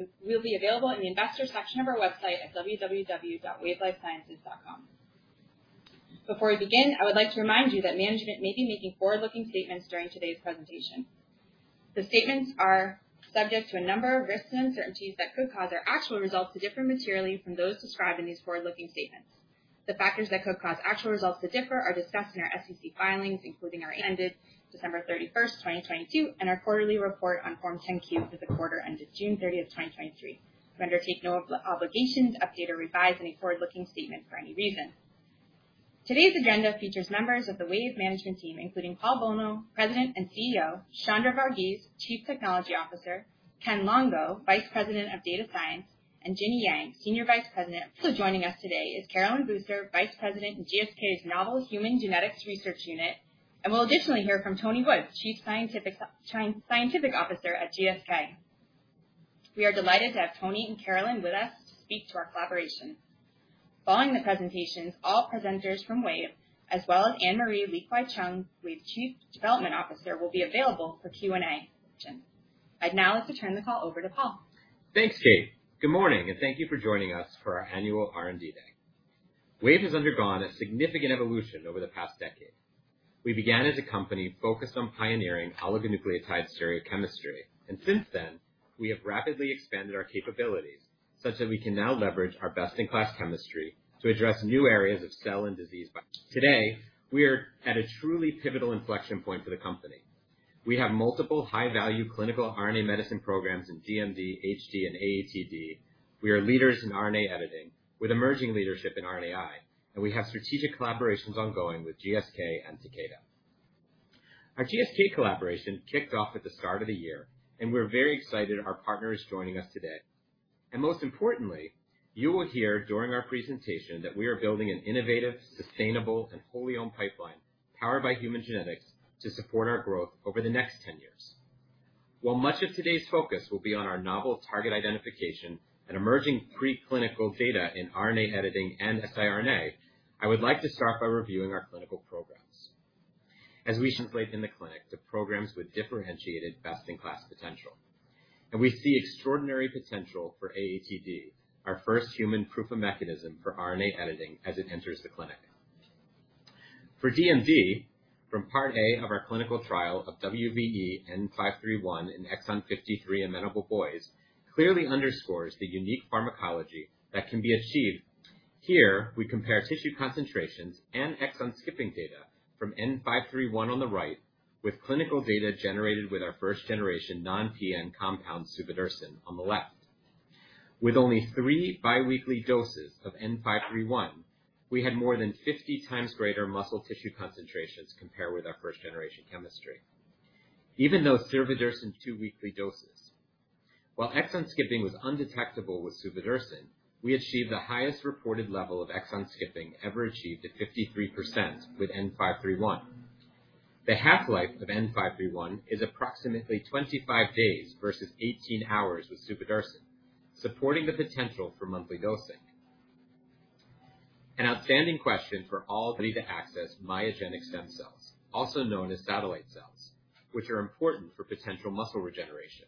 It will be available in the investor section of our website at www.wavelifesciences.com. Before we begin, I would like to remind you that management may be making forward-looking statements during today's presentation. The statements are subject to a number of risks and uncertainties that could cause our actual results to differ materially from those described in these forward-looking statements. The factors that could cause actual results to differ are discussed in our SEC filings, including our ended December 31, 2022, and our quarterly report on Form 10-Q for the quarter ended June 30, 2023. We undertake no obligation to update or revise any forward-looking statements for any reason. Today's agenda features members of the Wave management team, including Paul Bolno, President and CEO, Chandra Vargeese, Chief Technology Officer, Ken Longo, Vice President of Data Science, and Ginnie Yang, Senior Vice President. Also joining us today is Carolyn Buser-Doepner, Vice President of GSK's Novel Human Genetics Research Unit, and we'll additionally hear from Tony Wood, Chief Scientific Officer at GSK. We are delighted to have Tony and Carolyn with us to speak to our collaboration. Following the presentations, all presenters from Wave, as well as Anne-Marie Li-Kwai-Cheung, Wave's Chief Development Officer, will be available for Q&A session. I'd now like to turn the call over to Paul. Thanks, Kate. Good morning, and thank you for joining us for our annual R&D Day. Wave has undergone a significant evolution over the past decade. We began as a company focused on pioneering oligonucleotide stereochemistry, and since then, we have rapidly expanded our capabilities such that we can now leverage our best-in-class chemistry to address new areas of cell and disease. Today, we are at a truly pivotal inflection point for the company. We have multiple high-value clinical RNA medicine programs in DMD, HD, and AATD. We are leaders in RNA editing, with emerging leadership in RNAi, and we have strategic collaborations ongoing with GSK and Takeda. Our GSK collaboration kicked off at the start of the year, and we're very excited our partner is joining us today. And most importantly, you will hear during our presentation that we are building an innovative, sustainable, and wholly owned pipeline powered by human genetics to support our growth over the next 10 years. While much of today's focus will be on our novel target identification and emerging preclinical data in RNA editing and siRNA, I would like to start by reviewing our clinical programs. As we translate in the clinic to programs with differentiated best-in-class potential, and we see extraordinary potential for AATD, our first human proof of mechanism for RNA editing as it enters the clinic. For DMD, from Part A of our clinical trial of WVE-N531 in exon 53 and amenable boys, clearly underscores the unique pharmacology that can be achieved. Here, we compare tissue concentrations and exon skipping data from WVE-N531 on the right with clinical data generated with our first-generation non-PN compound, Suvodirsen, on the left. With only three biweekly doses of WVE-N531, we had more than 50 times greater muscle tissue concentrations compared with our first-generation chemistry, even though Suvodirsen's two weekly doses. While exon skipping was undetectable with Suvodirsen, we achieved the highest reported level of exon skipping ever achieved at 53% with WVE-N531. The half-life of WVE-N531 is approximately 25 days versus 18 hours with Suvodirsen, supporting the potential for monthly dosing. An outstanding question for all need to access myogenic stem cells, also known as satellite cells, which are important for potential muscle regeneration.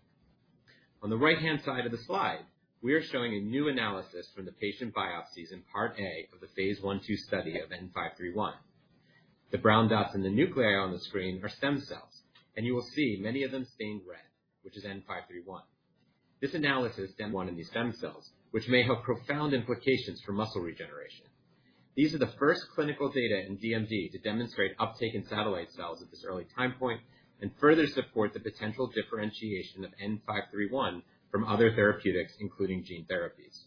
On the right-hand side of the slide, we are showing a new analysis from the patient biopsies in Part A of the Phase I/II study of WVE-N531. The brown dots in the nuclei on the screen are stem cells, and you will see many of them stained red, which is WVE-N531. This analysis shows one in these stem cells, which may have profound implications for muscle regeneration. These are the first clinical data in DMD to demonstrate uptake in satellite cells at this early time point and further support the potential differentiation of WVE-N531 from other therapeutics, including gene therapies.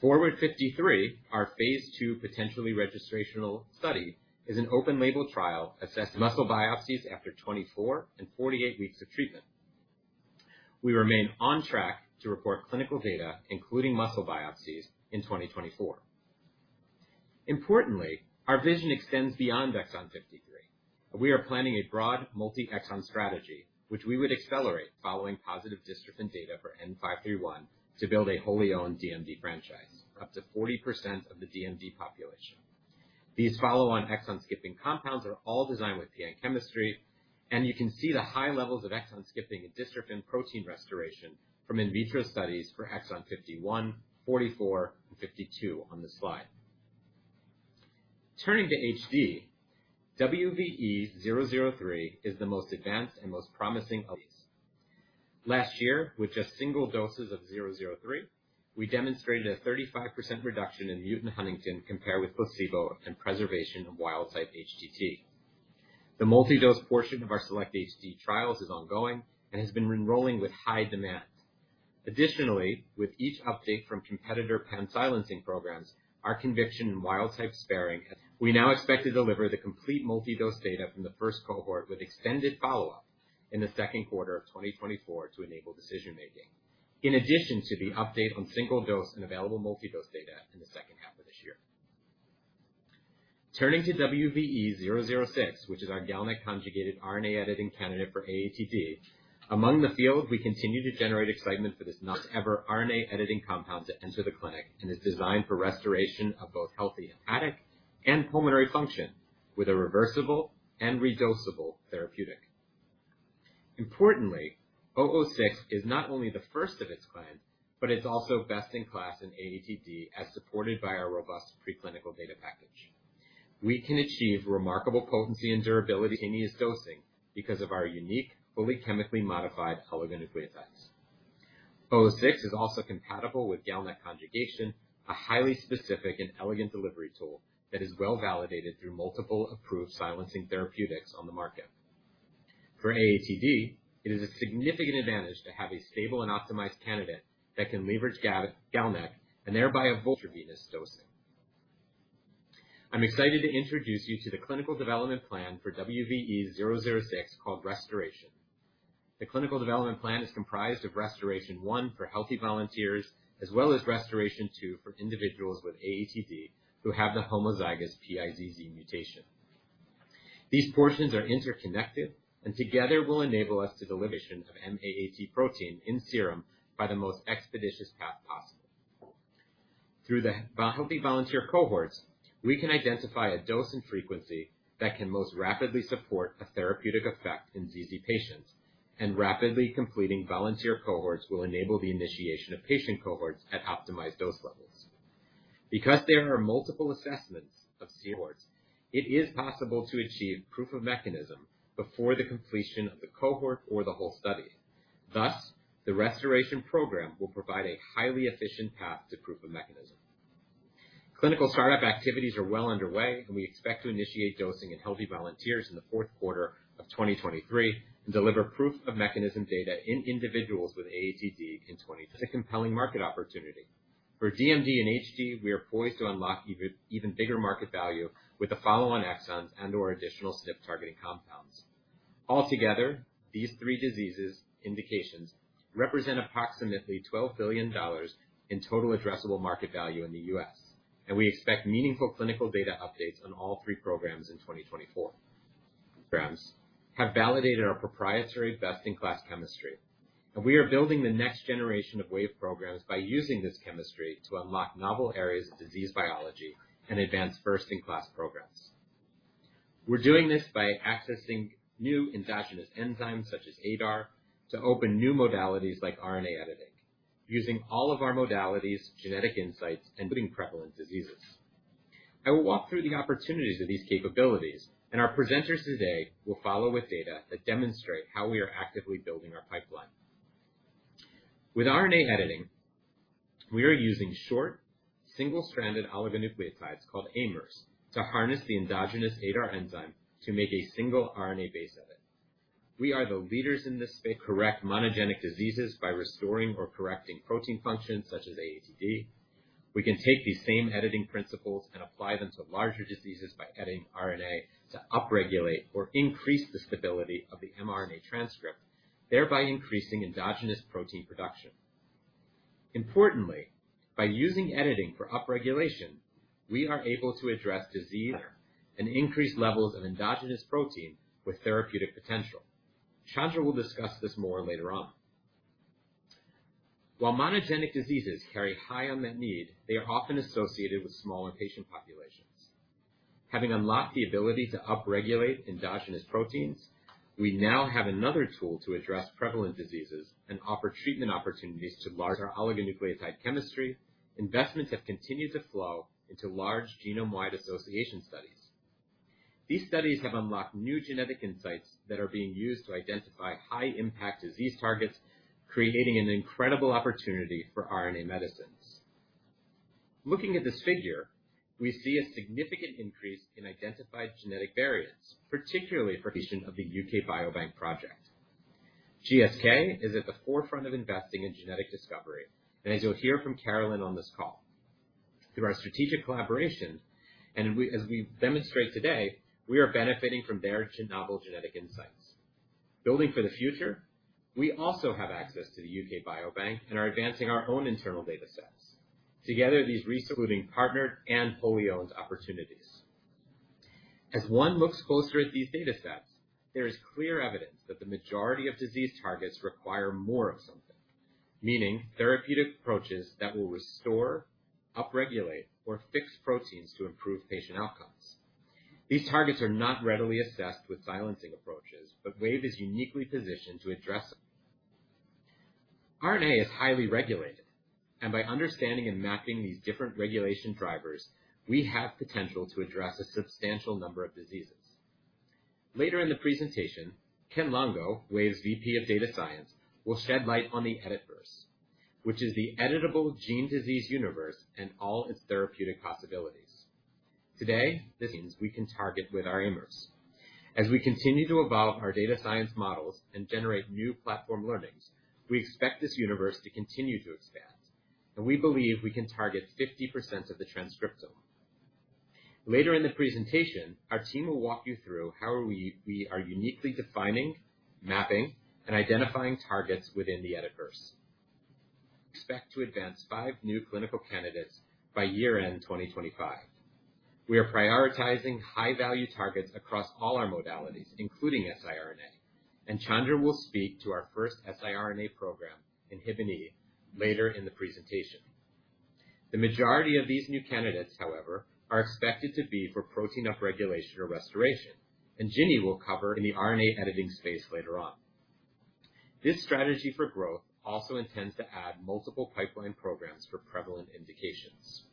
FORWARD 53, our Phase II potentially registrational study, is an open-label trial that assesses muscle biopsies after 24 and 48 weeks of treatment. We remain on track to report clinical data, including muscle biopsies, in 2024. Importantly, our vision extends beyond exon 53. We are planning a broad multi-exon strategy, which we would accelerate following positive dystrophin data for WVE-N531 to build a wholly owned DMD franchise, up to 40% of the DMD population. These follow-on exon skipping compounds are all designed with PN chemistry, and you can see the high levels of exon skipping and dystrophin protein restoration from in vitro studies for exon 51, 44, and 52 on the slide. Turning to HD, WVE-003 is the most advanced and most promising of these. Last year, with just single doses of WVE-003, we demonstrated a 35% reduction in mutant huntingtin compared with placebo and preservation of wild-type HTT. The multi-dose portion of our SELECT-HD trials is ongoing and has been enrolling with high demand. Additionally, with each update from competitor pan-silencing programs, our conviction in wild-type sparing... We now expect to deliver the complete multi-dose data from the first cohort with extended follow-up in the second quarter of 2024 to enable decision making. In addition to the update on single-dose and available multi-dose data in the second half of this year. Turning to WVE-006, which is our GalNAc-conjugated RNA editing candidate for AATD. Among the field, we continue to generate excitement for this first-ever RNA editing compound to enter the clinic, and is designed for RestorAATion of both healthy hepatic and pulmonary function. With a reversible and redosable therapeutic. Importantly, WVE-006 is not only the first of its kind, but it's also best in class in AATD, as supported by our robust preclinical data package. We can achieve remarkable potency and durability in these dosing because of our unique, fully chemically modified oligonucleotides. WVE-006 is also compatible with GalNAc conjugation, a highly specific and elegant delivery tool that is well-validated through multiple approved silencing therapeutics on the market. For AATD, it is a significant advantage to have a stable and optimized candidate that can leverage GalNAc, and thereby avoid intravenous dosing. I'm excited to introduce you to the clinical development plan for WVE-006, called RestorAATion. The clinical development plan is comprised of RestorAATion-1 for healthy volunteers, as well as RestorAATion-2 for individuals with AATD who have the homozygous PiZZ mutation. These portions are interconnected, and together will enable us to deliver vision of M-AAT protein in serum by the most expeditious path possible. Through the healthy volunteer cohorts, we can identify a dose and frequency that can most rapidly support a therapeutic effect in PiZZ patients, and rapidly completing volunteer cohorts will enable the initiation of patient cohorts at optimized dose levels. Because there are multiple assessments of cohorts, it is possible to achieve proof of mechanism before the completion of the cohort or the whole study. Thus, the RestorAATion program will provide a highly efficient path to proof of mechanism. Clinical startup activities are well underway, and we expect to initiate dosing in healthy volunteers in the fourth quarter of 2023, and deliver proof-of-mechanism data in individuals with AATD in 2024. A compelling market opportunity. For DMD and HD, we are poised to unlock even bigger market value with the follow-on exons and/or additional SNP-targeting compounds. Altogether, these three diseases indications represent approximately $12 billion in total addressable market value in the U.S., and we expect meaningful clinical data updates on all three programs in 2024. Programs have validated our proprietary best-in-class chemistry, and we are building the next generation of Wave programs by using this chemistry to unlock novel areas of disease biology, and advance first-in-class programs. We're doing this by accessing new endogenous enzymes, such as ADAR, to open new modalities like RNA editing, using all of our modalities, genetic insights, and putting prevalent diseases. I will walk through the opportunities of these capabilities, and our presenters today will follow with data that demonstrate how we are actively building our pipeline. With RNA editing, we are using short, single-stranded oligonucleotides called AIMers, to harness the endogenous ADAR enzyme to make a single RNA base edit. We are the leaders in this space. Correct monogenic diseases by restoring or correcting protein functions such as AATD. We can take these same editing principles and apply them to larger diseases by adding RNA to upregulate or increase the stability of the mRNA transcript, thereby increasing endogenous protein production. Importantly, by using editing for upregulation, we are able to address disease and increase levels of endogenous protein with therapeutic potential. Chandra will discuss this more later on. While monogenic diseases carry high unmet need, they are often associated with smaller patient populations. Having unlocked the ability to upregulate endogenous proteins, we now have another tool to address prevalent diseases and offer treatment opportunities to larger oligonucleotide chemistry, investments have continued to flow into large genome-wide association studies. These studies have unlocked new genetic insights that are being used to identify high-impact disease targets, creating an incredible opportunity for RNA medicines. Looking at this figure, we see a significant increase in identified genetic variants, particularly for patients of the UK Biobank project. GSK is at the forefront of investing in genetic discovery, and as you'll hear from Carolyn on this call, through our strategic collaboration, and we, as we demonstrate today, we are benefiting from their novel genetic insights. Building for the future, we also have access to the UK Biobank and are advancing our own internal data sets. Together, these research, partnered and fully owned opportunities. As one looks closer at these data sets, there is clear evidence that the majority of disease targets require more of something, meaning therapeutic approaches that will restore, upregulate, or fix proteins to improve patient outcomes. These targets are not readily assessed with silencing approaches, but Wave is uniquely positioned to address them. RNA is highly regulated, and by understanding and mapping these different regulation drivers, we have potential to address a substantial number of diseases. Later in the presentation, Ken Longo, Wave's Vice President of Data Science, will shed light on the Editverse, which is the editable gene disease universe and all its therapeutic possibilities. Today, the things we can target with our AIMers. As we continue to evolve our data science models and generate new platform learnings, we expect this universe to continue to expand, and we believe we can target 50% of the transcriptome. Later in the presentation, our team will walk you through how we are uniquely defining, mapping, and identifying targets within the Editverse. Expect to advance five new clinical candidates by year-end 2025. We are prioritizing high-value targets across all our modalities, including siRNA, and Chandra will speak to our first siRNA program, INHBE later in the presentation. The majority of these new candidates, however, are expected to be for protein upregulation or restoration, and Ginnie will cover in the RNA editing space later on. This strategy for growth also intends to add multiple pipeline programs for prevalent indications.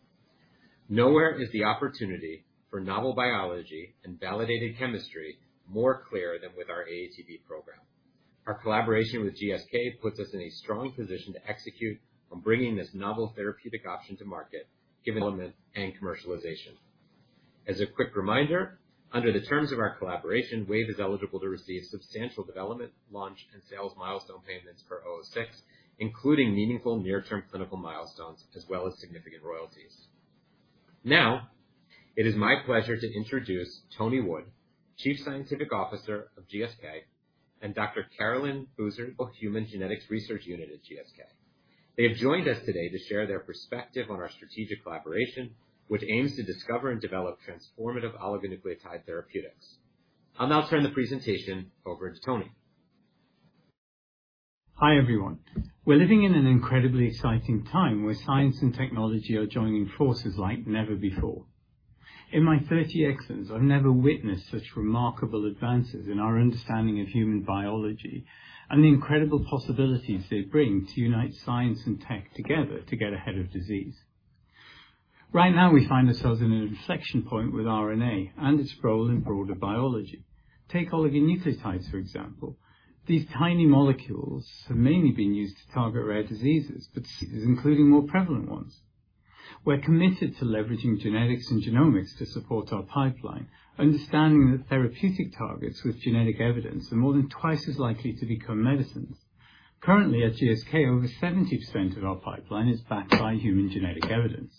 Nowhere is the opportunity for novel biology and validated chemistry more clear than with our AATD program. Our collaboration with GSK puts us in a strong position to execute on bringing this novel therapeutic option to market, given development and commercialization. As a quick reminder, under the terms of our collaboration, Wave is eligible to receive substantial development, launch, and sales milestone payments per OO6, including meaningful near-term clinical milestones as well as significant royalties. Now, it is my pleasure to introduce Tony Wood, Chief Scientific Officer of GSK, and Dr. Carolyn Buser-Doepner, Human Genetics Research Unit at GSK. They have joined us today to share their perspective on our strategic collaboration, which aims to discover and develop transformative oligonucleotide therapeutics. I'll now turn the presentation over to Tony. Hi, everyone. We're living in an incredibly exciting time where science and technology are joining forces like never before. In my 30 years, I've never witnessed such remarkable advances in our understanding of human biology and the incredible possibilities they bring to unite science and tech together to get ahead of disease. Right now, we find ourselves in an inflection point with RNA and its role in broader biology. Take oligonucleotides, for example. These tiny molecules have mainly been used to target rare diseases, but including more prevalent ones. We're committed to leveraging genetics and genomics to support our pipeline, understanding that therapeutic targets with genetic evidence are more than twice as likely to become medicines. Currently, at GSK, over 70% of our pipeline is backed by human genetic evidence.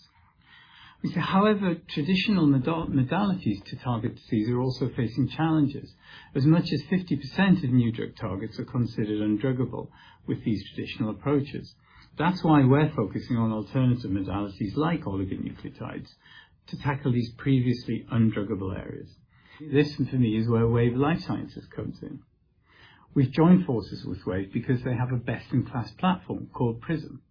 However, traditional modalities to target disease are also facing challenges. As much as 50% of new drug targets are considered undruggable with these traditional approaches. That's why we're focusing on alternative modalities like oligonucleotides, to tackle these previously undruggable areas. This, to me, is where Wave Life Sciences comes in. We've joined forces with Wave because they have a best-in-class platform called PRISM.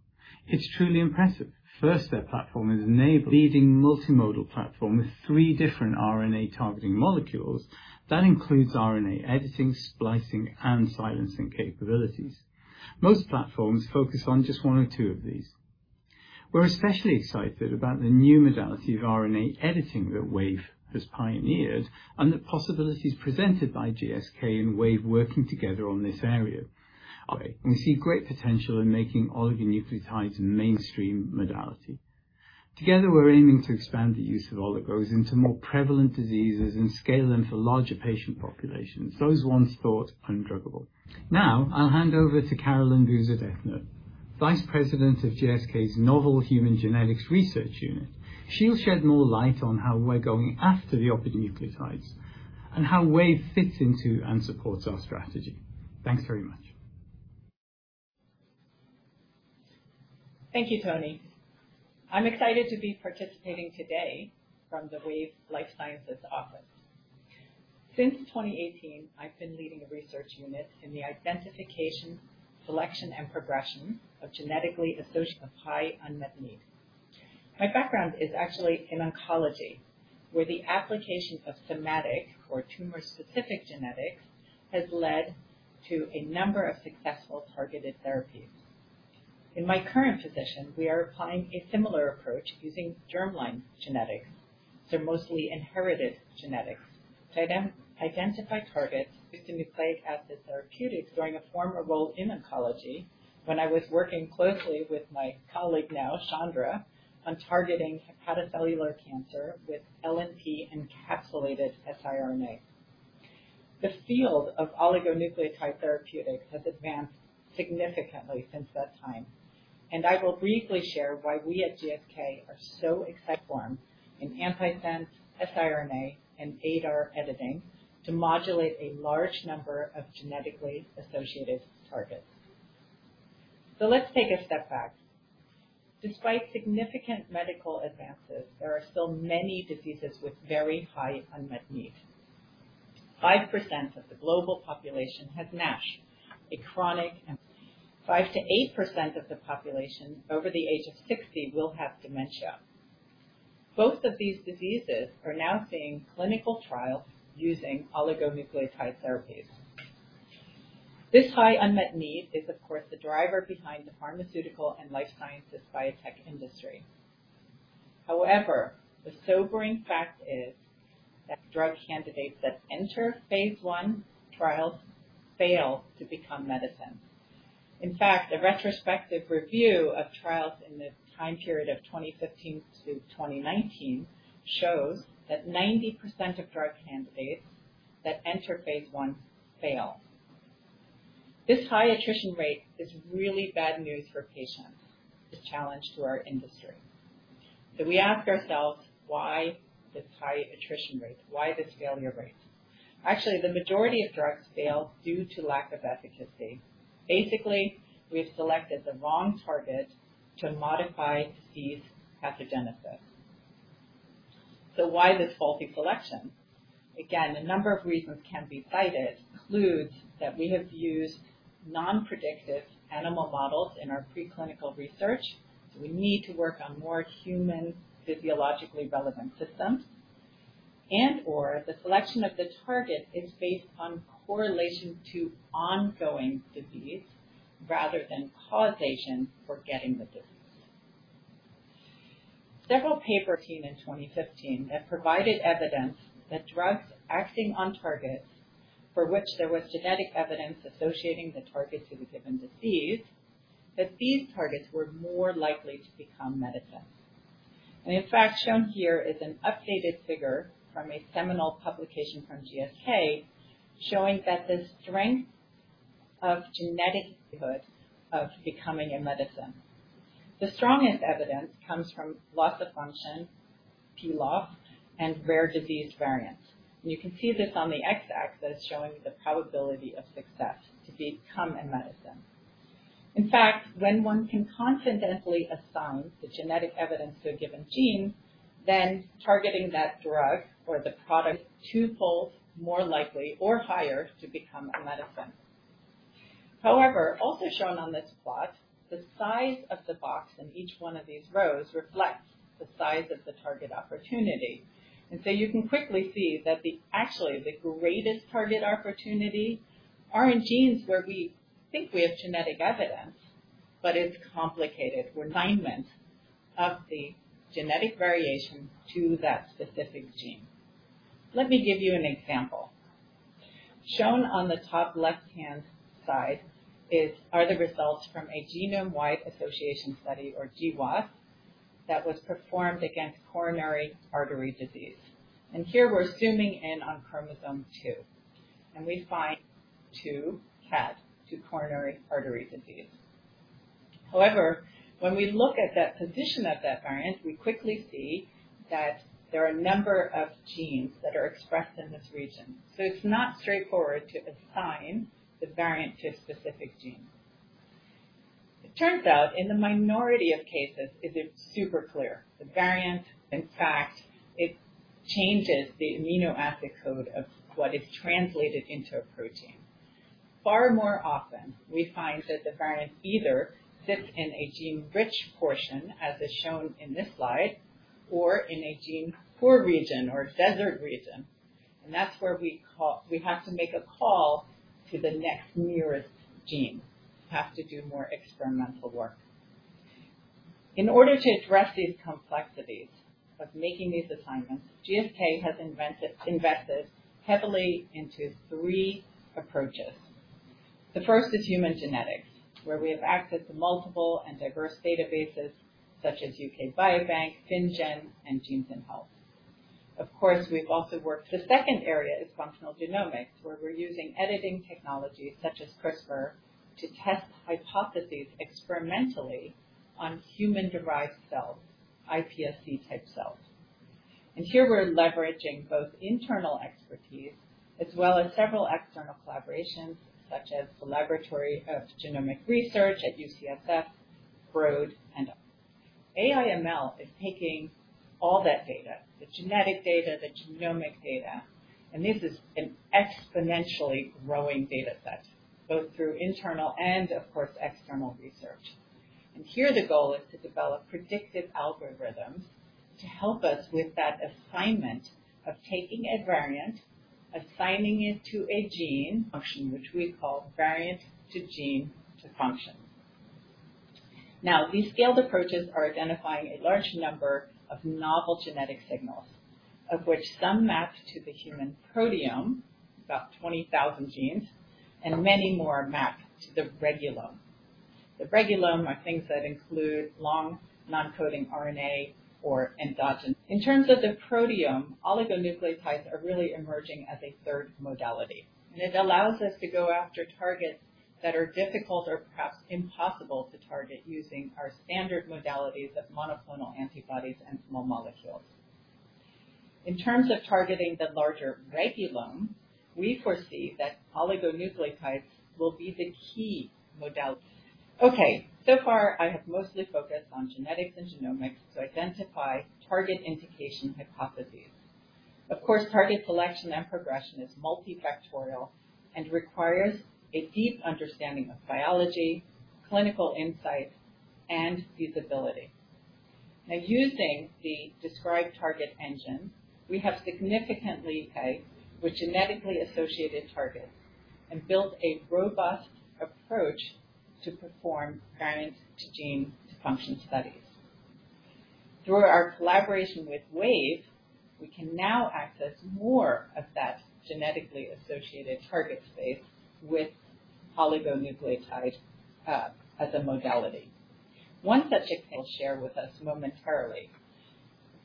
It's truly impressive. First, their platform has enabled leading multimodal platform with three different RNA targeting molecules. That includes RNA editing, splicing, and silencing capabilities. Most platforms focus on just one or two of these. We're especially excited about the new modality of RNA editing that Wave has pioneered and the possibilities presented by GSK and Wave working together on this area. We see great potential in making oligonucleotides a mainstream modality. Together, we're aiming to expand the use of oligos into more prevalent diseases and scale them for larger patient populations, those once thought undruggable. Now, I'll hand over to Carolyn Buser-Doepner, Vice President of GSK's Novel Human Genetics Research Unit. She'll shed more light on how we're going after the oligonucleotides and how Wave fits into and supports our strategy. Thanks very much. Thank you, Tony. I'm excited to be participating today from the Wave Life Sciences office. Since 2018, I've been leading a research unit in the identification, selection, and progression of genetically associated targets of high unmet need. My background is actually in oncology, where the application of somatic or tumor-specific genetics has led to a number of successful targeted therapies. In my current position, we are applying a similar approach using germline genetics. They're mostly inherited genetics. To then identify targets with nucleic acid therapeutics. During a former role in oncology, when I was working closely with my colleague, now Chandra, on targeting hepatocellular cancer with LNP-encapsulated siRNA. The field of oligonucleotide therapeutics has advanced significantly since that time, and I will briefly share why we at GSK are so excited for moving into antisense, siRNA, and ADAR editing to modulate a large number of genetically associated targets. So let's take a step back. Despite significant medical advances, there are still many diseases with very high unmet needs. 5% of the global population has NASH, a chronic and 5%-8% of the population over the age of 60 will have dementia. Both of these diseases are now seeing clinical trials using oligonucleotide therapies. This high unmet need is, of course, the driver behind the pharmaceutical and life sciences biotech industry. However, the sobering fact is that drug candidates that enter phase I trials fail to become medicine. In fact, a retrospective review of trials in the time period of 2015-2019 shows that 90% of drug candidates that enter phase I fail. This high attrition rate is really bad news for patients. It's a challenge to our industry. So we ask ourselves, why this high attrition rate? Why this failure rate? Actually, the majority of drugs fail due to lack of efficacy. Basically, we've selected the wrong target to modify these pathogenesis. So why this faulty selection? Again, a number of reasons can be cited, including that we have used non-predictive animal models in our preclinical research, so we need to work on more human physiologically relevant systems, and/or the selection of the target is based on correlation to ongoing disease rather than causation for getting the disease. Several papers came in 2015 that provided evidence that drugs acting on targets for which there was genetic evidence associating the target to the given disease, that these targets were more likely to become medicine. In fact, shown here is an updated figure from a seminal publication from GSK, showing that the strength of genetic likelihood of becoming a medicine. The strongest evidence comes from loss of function, pLoF, and rare disease variants. You can see this on the x-axis, showing the probability of success to become a medicine. In fact, when one can confidently assign the genetic evidence to a given gene, then targeting that drug or the product twofold more likely or higher to become a medicine. However, also shown on this plot, the size of the box in each one of these rows reflects the size of the target opportunity. So you can quickly see that the, actually, the greatest target opportunity are in genes where we think we have genetic evidence, but it's complicated, where of the genetic variation to that specific gene. Let me give you an example. Shown on the top left-hand side are the results from a Genome-Wide Association Study, or GWAS, that was performed against coronary artery disease. Here we're zooming in on Chromosome 2, and we find two CAD, two coronary artery disease. However, when we look at that position of that variant, we quickly see that there are a number of genes that are expressed in this region. So it's not straightforward to assign the variant to a specific gene. It turns out, in the minority of cases, it is super clear. The variant, in fact, it changes the amino acid code of what is translated into a protein. Far more often, we find that the variant either sits in a gene-rich portion, as is shown in this slide, or in a gene-poor region or desert region, and that's where we call. We have to make a call to the next nearest gene. We have to do more experimental work. In order to address these complexities of making these assignments, GSK has invented, invested heavily into three approaches. The first is human genetics, where we have access to multiple and diverse databases such as UK Biobank, FinnGen, and Genes & Health. Of course, we've also worked... The second area is functional genomics, where we're using editing technologies such as CRISPR to test hypotheses experimentally on human-derived cells, iPSC-type cells. And here we're leveraging both internal expertise as well as several external collaborations, such as the Laboratory for Genomics Research at UCSF, Broad, and others. AI/ML is taking all that data, the genetic data, the genomic data, and this is an exponentially growing data set, both through internal and, of course, external research. And here the goal is to develop predictive algorithms to help us with that assignment of taking a variant, assigning it to a gene function, which we call Variant to Gene to Function. Now, these scaled approaches are identifying a large number of novel genetic signals, of which some map to the human proteome, about 20,000 genes, and many more map to the regulome. The regulome are things that include long non-coding RNA or endogenous. In terms of the proteome, oligonucleotides are really emerging as a third modality, and it allows us to go after targets that are difficult or perhaps impossible to target using our standard modalities of monoclonal antibodies and small molecules. In terms of targeting the larger regulome, we foresee that oligonucleotides will be the key modality. Okay, so far, I have mostly focused on genetics and genomics to identify target indication hypotheses. Of course, target selection and progression is multifactorial and requires a deep understanding of biology, clinical insight, and feasibility. Now, using the described target engine, we have significantly paid with genetically associated targets and built a robust approach to perform Variant-to-Gene-to-Function studies. Through our collaboration with Wave, we can now access more of that genetically associated target space with oligonucleotide as a modality. One such example I'll share with us momentarily.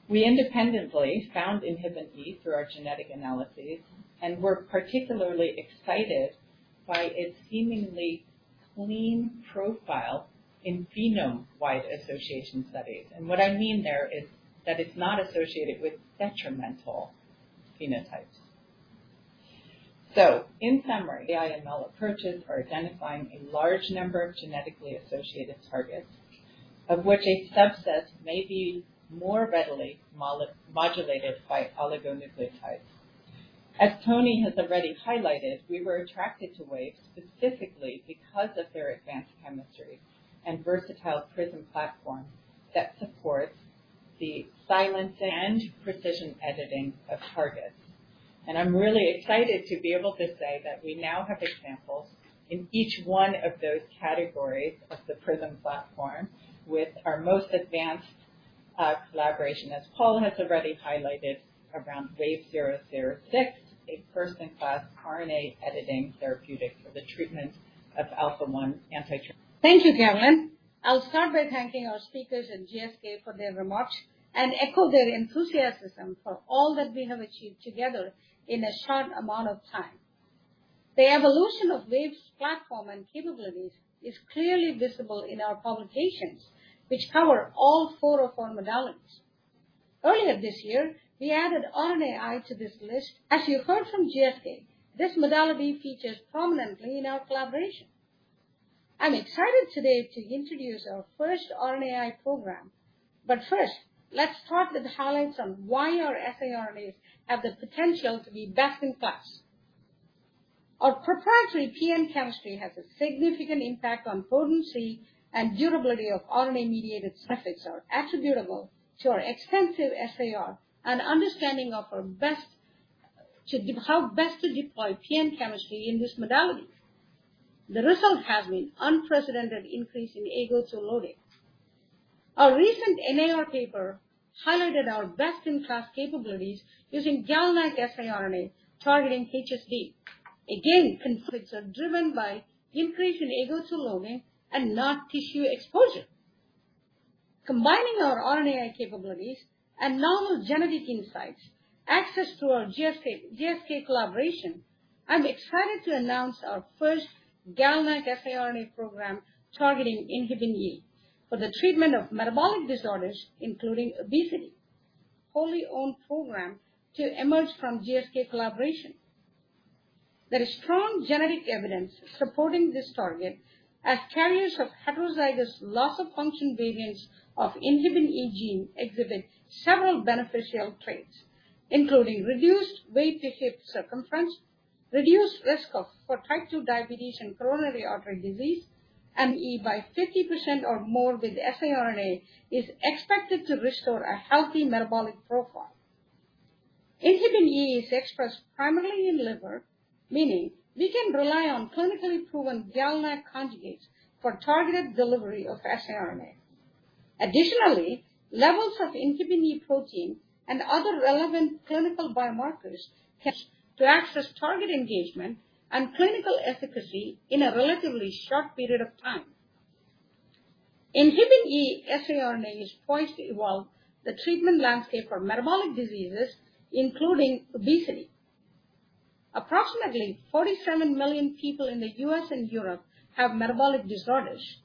We independently found INHBE through our genetic analyses, and we're particularly excited by its seemingly clean profile in PheWAS. And what I mean there is that it's not associated with detrimental phenotypes. So in summary, AI/ML approaches are identifying a large number of genetically associated targets, of which a subset may be more readily modulated by oligonucleotides. As Tony has already highlighted, we were attracted to Wave specifically because of their advanced chemistry and versatile PRISM platform that supports the silencing and precision editing of targets. I'm really excited to be able to say that we now have examples in each one of those categories of the PRISM platform, with our most advanced collaboration, as Paul has already highlighted, around WVE-006, a first-in-class RNA editing therapeutic for the treatment of alpha-1 antitrypsin. Thank you, Carolyn. I'll start by thanking our speakers and GSK for their remarks and echo their enthusiasm for all that we have achieved together in a short amount of time. The evolution of Wave's platform and capabilities is clearly visible in our publications, which cover all four of our modalities. Earlier this year, we added RNAi to this list. As you heard from GSK, this modality features prominently in our collaboration. I'm excited today to introduce our first RNAi program. But first, let's start with the highlights on why our siRNAs have the potential to be best in class. Our proprietary PN chemistry has a significant impact on potency and durability of RNA-mediated effects, are attributable to our extensive siRNAs and understanding of how best to deploy PN chemistry in this modality. The result has been unprecedented increase in Ago2 loading. Our recent NAR paper highlighted our best-in-class capabilities using GalNAc siRNA targeting HSD. Again, efficacies are driven by increase in Ago2 loading and not tissue exposure. Combining our RNAi capabilities and novel genetic insights, access to our GSK collaboration, I'm excited to announce our first GalNAc siRNA program targeting INHBE for the treatment of metabolic disorders, including obesity. Wholly owned program to emerge from GSK collaboration. There is strong genetic evidence supporting this target as carriers of heterozygous loss-of-function variants of INHBE gene exhibit several beneficial traits, including reduced waist-to-hip circumference, reduced risk for type 2 diabetes and coronary artery disease, and INHBE by 50% or more with siRNA is expected to restore a healthy metabolic profile. INHBE is expressed primarily in liver, meaning we can rely on clinically proven GalNAc conjugates for targeted delivery of siRNA. Additionally, levels of INHBE protein and other relevant clinical biomarkers test to assess target engagement and clinical efficacy in a relatively short period of time. INHBE siRNA is poised to evolve the treatment landscape for metabolic diseases, including obesity. Approximately 47 million people in the US and Europe have metabolic disorders.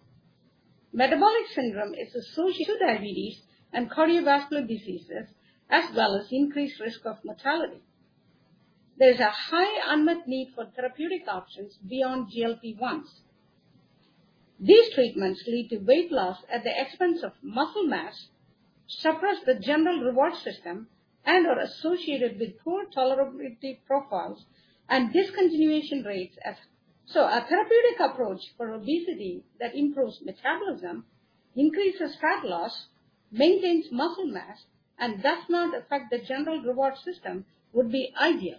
Metabolic syndrome is associated with diabetes and cardiovascular diseases, as well as increased risk of mortality. There is a high unmet need for therapeutic options beyond GLP-1's. These treatments lead to weight loss at the expense of muscle mass, suppress the general reward system, and are associated with poor tolerability profiles and discontinuation rates as... So a therapeutic approach for obesity that improves metabolism, increases fat loss, maintains muscle mass, and does not affect the general reward system would be ideal.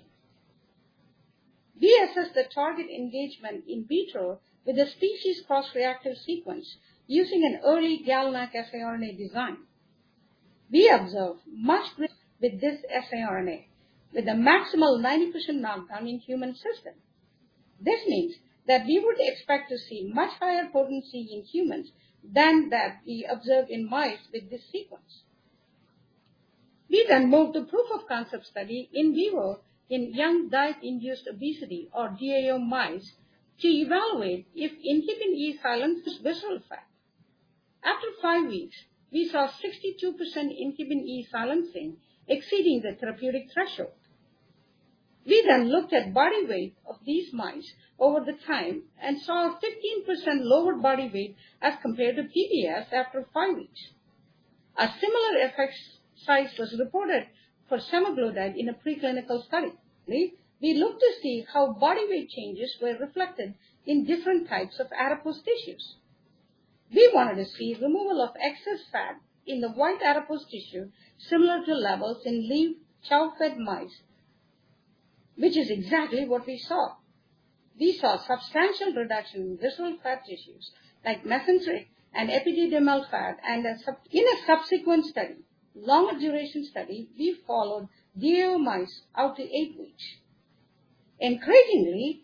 We assess the target engagement in vitro with a species cross-reactive sequence using an early GalNAc siRNA design. We observed much with this siRNA, with a maximal 90% non-targeting human system. This means that we would expect to see much higher potency in humans than that we observed in mice with this sequence. We then moved to proof of concept study in vivo in young diet-induced obesity or DIO mice, to evaluate if INHBE silence visceral fat. After five weeks, we saw 62% INHBE silencing, exceeding the therapeutic threshold. We then looked at body weight of these mice over the time and saw a 15% lower body weight as compared to PBS after five weeks. A similar effect size was reported for semaglutide in a preclinical study. We looked to see how body weight changes were reflected in different types of adipose tissues. We wanted to see removal of excess fat in the white adipose tissue, similar to levels in lean chow-fed mice, which is exactly what we saw. We saw substantial reduction in visceral fat tissues like mesenteric and epididymal fat. In a subsequent study, longer duration study, we followed DIO mice out to 8 weeks. Encouragingly,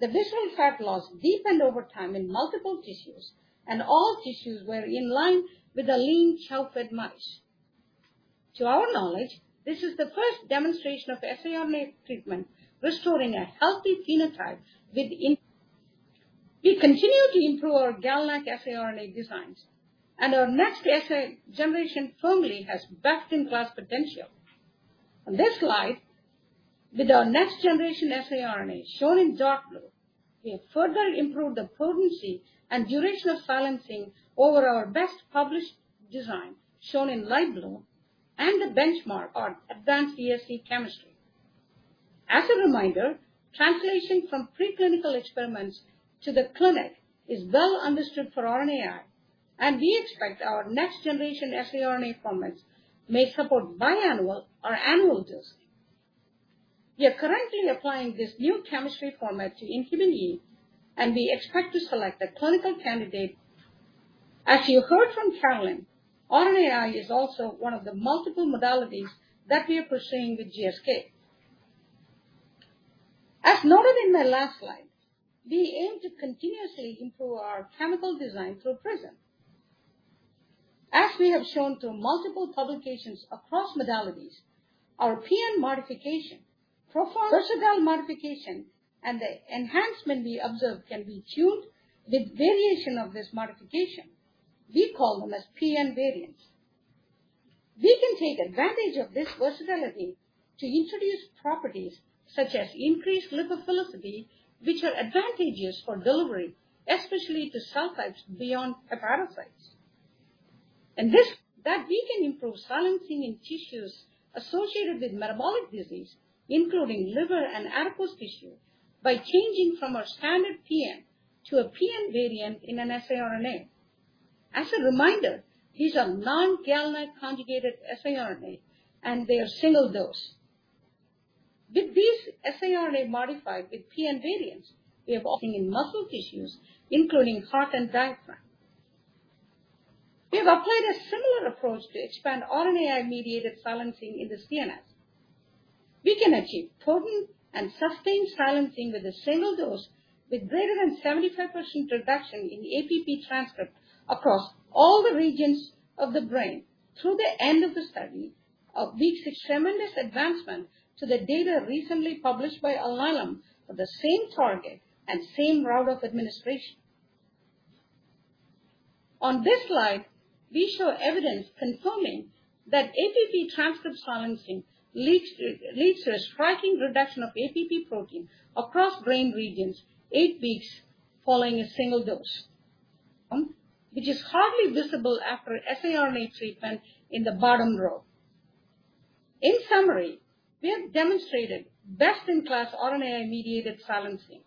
the visceral fat loss deepened over time in multiple tissues, and all tissues were in line with the lean chow-fed mice. To our knowledge, this is the first demonstration of siRNA treatment restoring a healthy phenotype with in-... We continue to improve our GalNAc siRNA designs, and our next ASO generation firmly has best-in-class potential. On this slide, with our next generation siRNA, shown in dark blue, we have further improved the potency and duration of silencing over our best published design, shown in light blue, and the benchmark on advanced ESC chemistry. As a reminder, translation from preclinical experiments to the clinic is well understood for RNAi, and we expect our next generation siRNA formats may support biannual or annual dose. We are currently applying this new chemistry format to INHBE, and we expect to select a clinical candidate. As you heard from Carolyn, RNAi is also one of the multiple modalities that we are pursuing with GSK. As noted in my last slide, we aim to continuously improve our chemical design through PRISM. As we have shown through multiple publications across modalities, our PN modification, our versatile modification, and the enhancement we observe can be tuned with variation of this modification. We call them as PN variants. We can take advantage of this versatility to introduce properties such as increased lipophilicity, which are advantages for delivery, especially to cell types beyond hepatocytes. This, that we can improve silencing in tissues associated with metabolic disease, including liver and adipose tissue, by changing from a standard PN to a PN variant in an siRNA. As a reminder, these are non-GalNAc conjugated siRNA, and they are single dose. With these siRNA modified with PN variants, we have often in muscle tissues, including heart and diaphragm. We have applied a similar approach to expand RNAi-mediated silencing in the CNS. We can achieve potent and sustained silencing with a single dose, with greater than 75% reduction in APP transcript across all the regions of the brain through the end of the study, of which a tremendous advancement to the data recently published by Alnylam of the same target and same route of administration. On this slide, we show evidence confirming that APP transcript silencing leads to a striking reduction of APP protein across brain regions eight weeks following a single dose, which is hardly visible after siRNA treatment in the bottom row. In summary, we have demonstrated best-in-class RNAi-mediated silencing.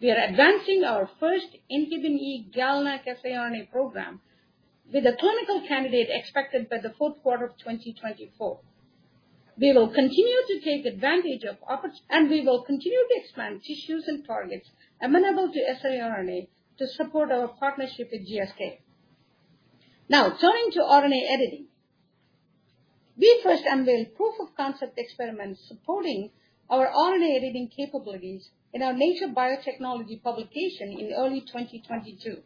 We are advancing our first in human E GalNAc siRNA program with a clinical candidate expected by the fourth quarter of 2024. We will continue to take advantage. And we will continue to expand tissues and targets amenable to siRNA to support our partnership with GSK. Now, turning to RNA editing. We first unveiled proof of concept experiments supporting our RNA editing capabilities in our Nature Biotechnology publication in early 2022.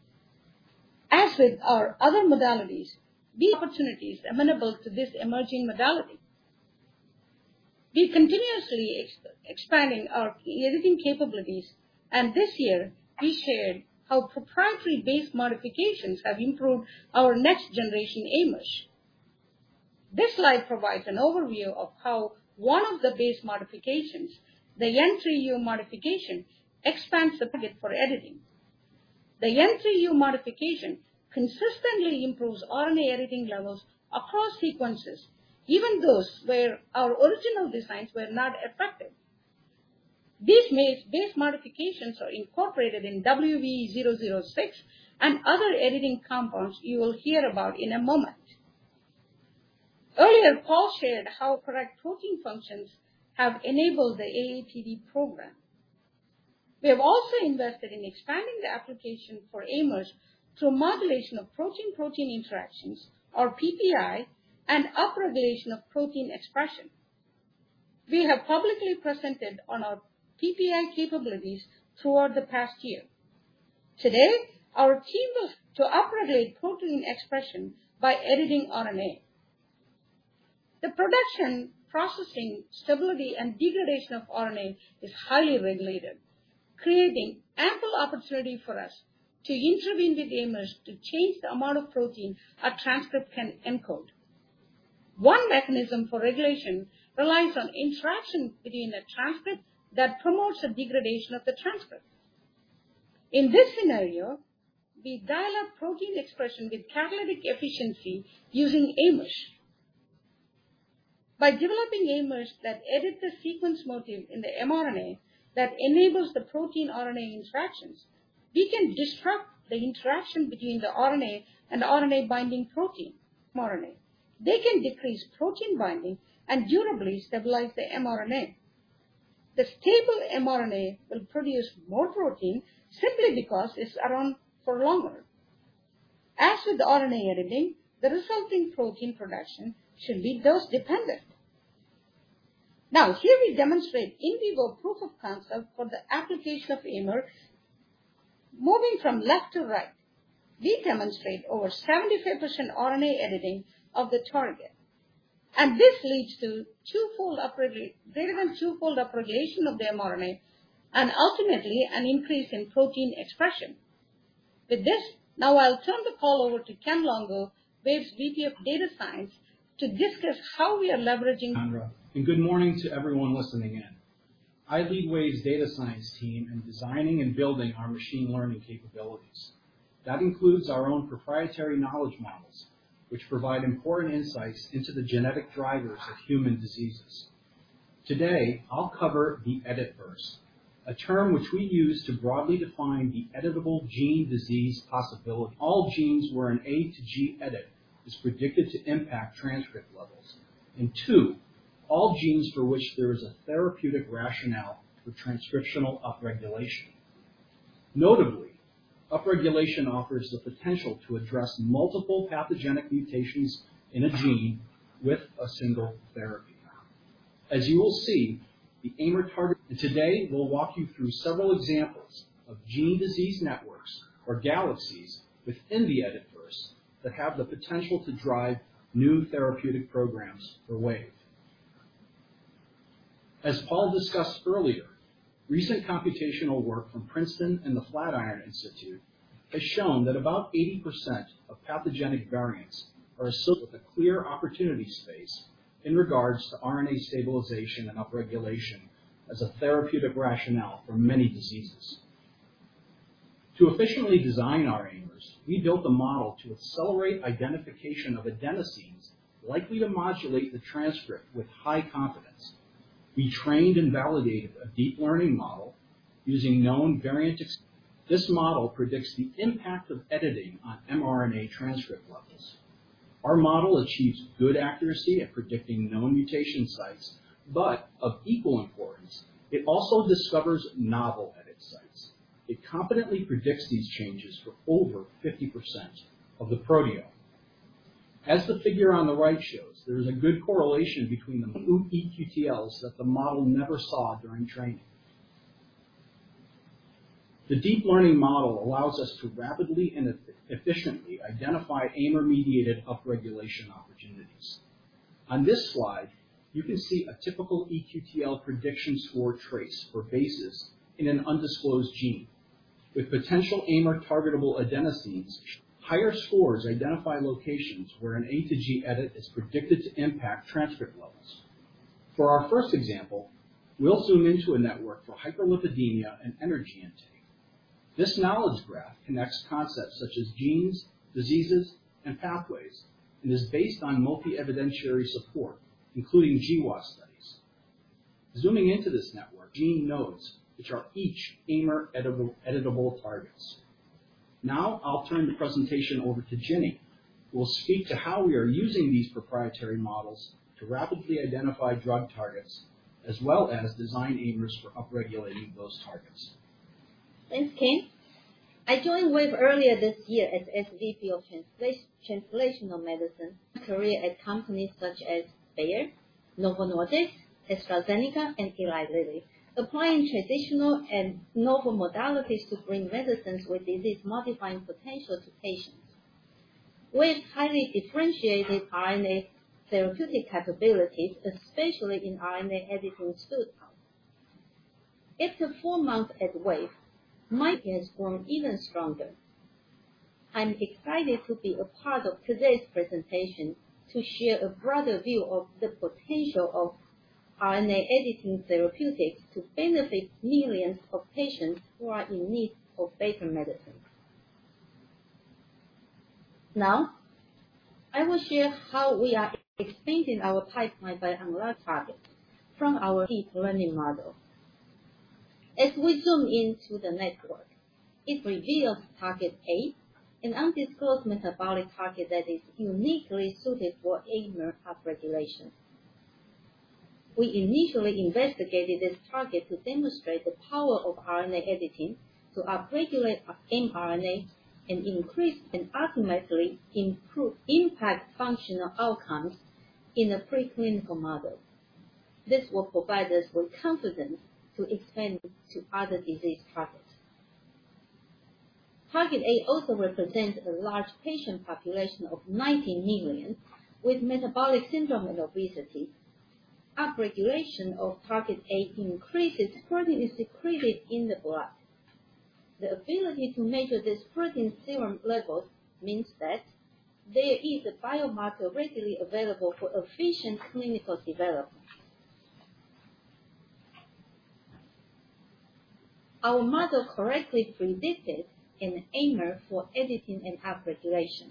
As with our other modalities, the opportunity is amenable to this emerging modality. We continuously expanding our editing capabilities, and this year we shared how proprietary base modifications have improved our next generation AIMers. This slide provides an overview of how one of the base modifications, the N3U modification, expands the budget for editing. The N3U modification consistently improves RNA editing levels across sequences, even those where our original designs were not effective. This makes base modifications are incorporated in WVE-006 and other editing compounds you will hear about in a moment. Earlier, Paul shared how correct protein functions have enabled the AATD program. We have also invested in expanding the application for AIMers through modulation of protein-protein interactions, or PPI, and upregulation of protein expression. We have publicly presented on our PPI capabilities throughout the past year. Today, our team looks to up-regulate protein expression by editing RNA. The production, processing, stability, and degradation of RNA is highly regulated, creating ample opportunity for us to intervene with the AIMers to change the amount of protein a transcript can encode. One mechanism for regulation relies on interaction between a transcript that promotes the degradation of the transcript. In this scenario, we dial up protein expression with catalytic efficiency using AIMers. By developing AIMers that edit the sequence motif in the mRNA, that enables the protein RNA interactions, we can disrupt the interaction between the RNA and the RNA-binding protein, mRNA. They can decrease protein binding and durably stabilize the mRNA. The stable mRNA will produce more protein simply because it's around for longer. As with the RNA editing, the resulting protein production should be dose dependent. Now, here we demonstrate in vivo proof of concept for the application of AIMer. Moving from left to right, we demonstrate over 75% RNA editing of the target. This leads to greater than twofold upregulation of the mRNA, and ultimately an increase in protein expression. With this, now I'll turn the call over to Ken Longo, Wave's VP of Data Science, to discuss how we are leveraging. Chandra, and good morning to everyone listening in. I lead Wave's data science team in designing and building our machine learning capabilities. That includes our own proprietary knowledge models, which provide important insights into the genetic drivers of human diseases. Today, I'll cover the Editverse, a term which we use to broadly define the editable gene disease possibility. All genes where an A-to-G edit is predicted to impact transcript levels, and two, all genes for which there is a therapeutic rationale for transcriptional upregulation. Notably, upregulation offers the potential to address multiple pathogenic mutations in a gene with a single therapy. As you will see, the AIMer target... And today, we'll walk you through several examples of gene disease networks or galaxies within the Editverse that have the potential to drive new therapeutic programs for Wave. As Paul discussed earlier, recent computational work from Princeton and the Flatiron Institute has shown that about 80% of pathogenic variants are associated with a clear opportunity space in regards to RNA stabilization and upregulation as a therapeutic rationale for many diseases. To efficiently design our AIMers, we built the model to accelerate identification of adenosines likely to modulate the transcript with high confidence. We trained and validated a deep learning model using known variant examples. This model predicts the impact of editing on mRNA transcript levels. Our model achieves good accuracy at predicting known mutation sites, but of equal importance, it also discovers novel edit sites. It confidently predicts these changes for over 50% of the proteome. As the figure on the right shows, there is a good correlation between the blue eQTLs that the model never saw during training. The deep learning model allows us to rapidly and efficiently identify AIMer-mediated upregulation opportunities. On this slide, you can see a typical eQTL prediction score trace for bases in an undisclosed gene. With potential AIMer targetable adenosines, higher scores identify locations where an A-to-G edit is predicted to impact transcript levels. For our first example, we'll zoom into a network for hyperlipidemia and energy intake. This knowledge graph connects concepts such as genes, diseases, and pathways, and is based on multi-evidentiary support, including GWAS studies. Zooming into this network, gene nodes, which are each AIMer editable targets. Now I'll turn the presentation over to Ginnie, who will speak to how we are using these proprietary models to rapidly identify drug targets, as well as design AIMers for upregulating those targets. Thanks, Ken. I joined Wave earlier this year as the SVP of Translational Medicine. Career at companies such as Bayer, Novo Nordisk, AstraZeneca, and Eli Lilly, applying traditional and novel modalities to bring medicines with disease-modifying potential to patients. With highly differentiated RNA therapeutic capabilities, especially in RNA editing field. After four months at Wave, my team has grown even stronger. I'm excited to be a part of today's presentation, to share a broader view of the potential of RNA editing therapeutics to benefit millions of patients who are in need of better medicines. Now, I will share how we are expanding our pipeline by another target from our deep learning model. As we zoom into the network, it reveals Target A, an undisclosed metabolic target that is uniquely suited for AIMer upregulation. We initially investigated this target to demonstrate the power of RNA editing, to upregulate our mRNA and increase and ultimately improve impact functional outcomes in a preclinical model. This will provide us with confidence to expand to other disease targets. Target A also represents a large patient population of 90 million with metabolic syndrome and obesity. Up-regulation of Target A increases protein is secreted in the blood. The ability to measure this protein serum levels means that there is a biomarker readily available for efficient clinical development. Our model correctly predicted an AIMer for editing and upregulation.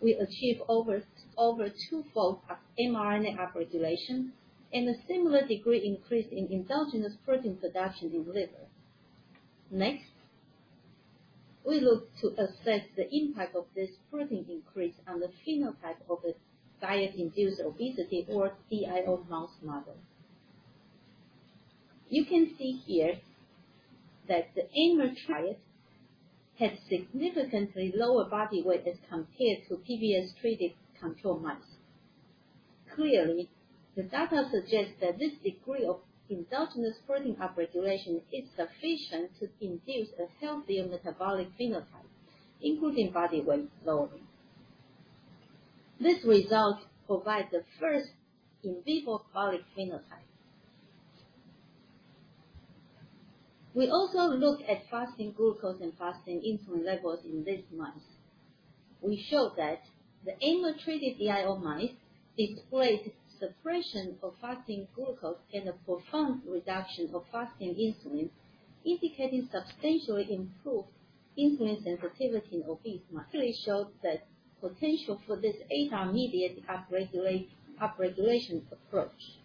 We achieve over two-fold mRNA upregulation and a similar degree increase in endogenous protein production in liver. Next, we look to assess the impact of this protein increase on the phenotype of a diet-induced obesity or DIO mouse model. You can see here that the AIMer treated has significantly lower body weight as compared to PBS-treated control mice. Clearly, the data suggests that this degree of endogenous protein upregulation is sufficient to induce a healthier metabolic phenotype, including body weight lowering. This result provides the first in vivo caloric phenotype. We also look at fasting glucose and fasting insulin levels in this mouse. We showed that the AIMer-treated DIO mice displayed suppression of fasting glucose and a profound reduction of fasting insulin, indicating substantially improved insulin sensitivity in obese mice. Clearly shows that potential for this ADAR-mediated upregulate, upregulation approach.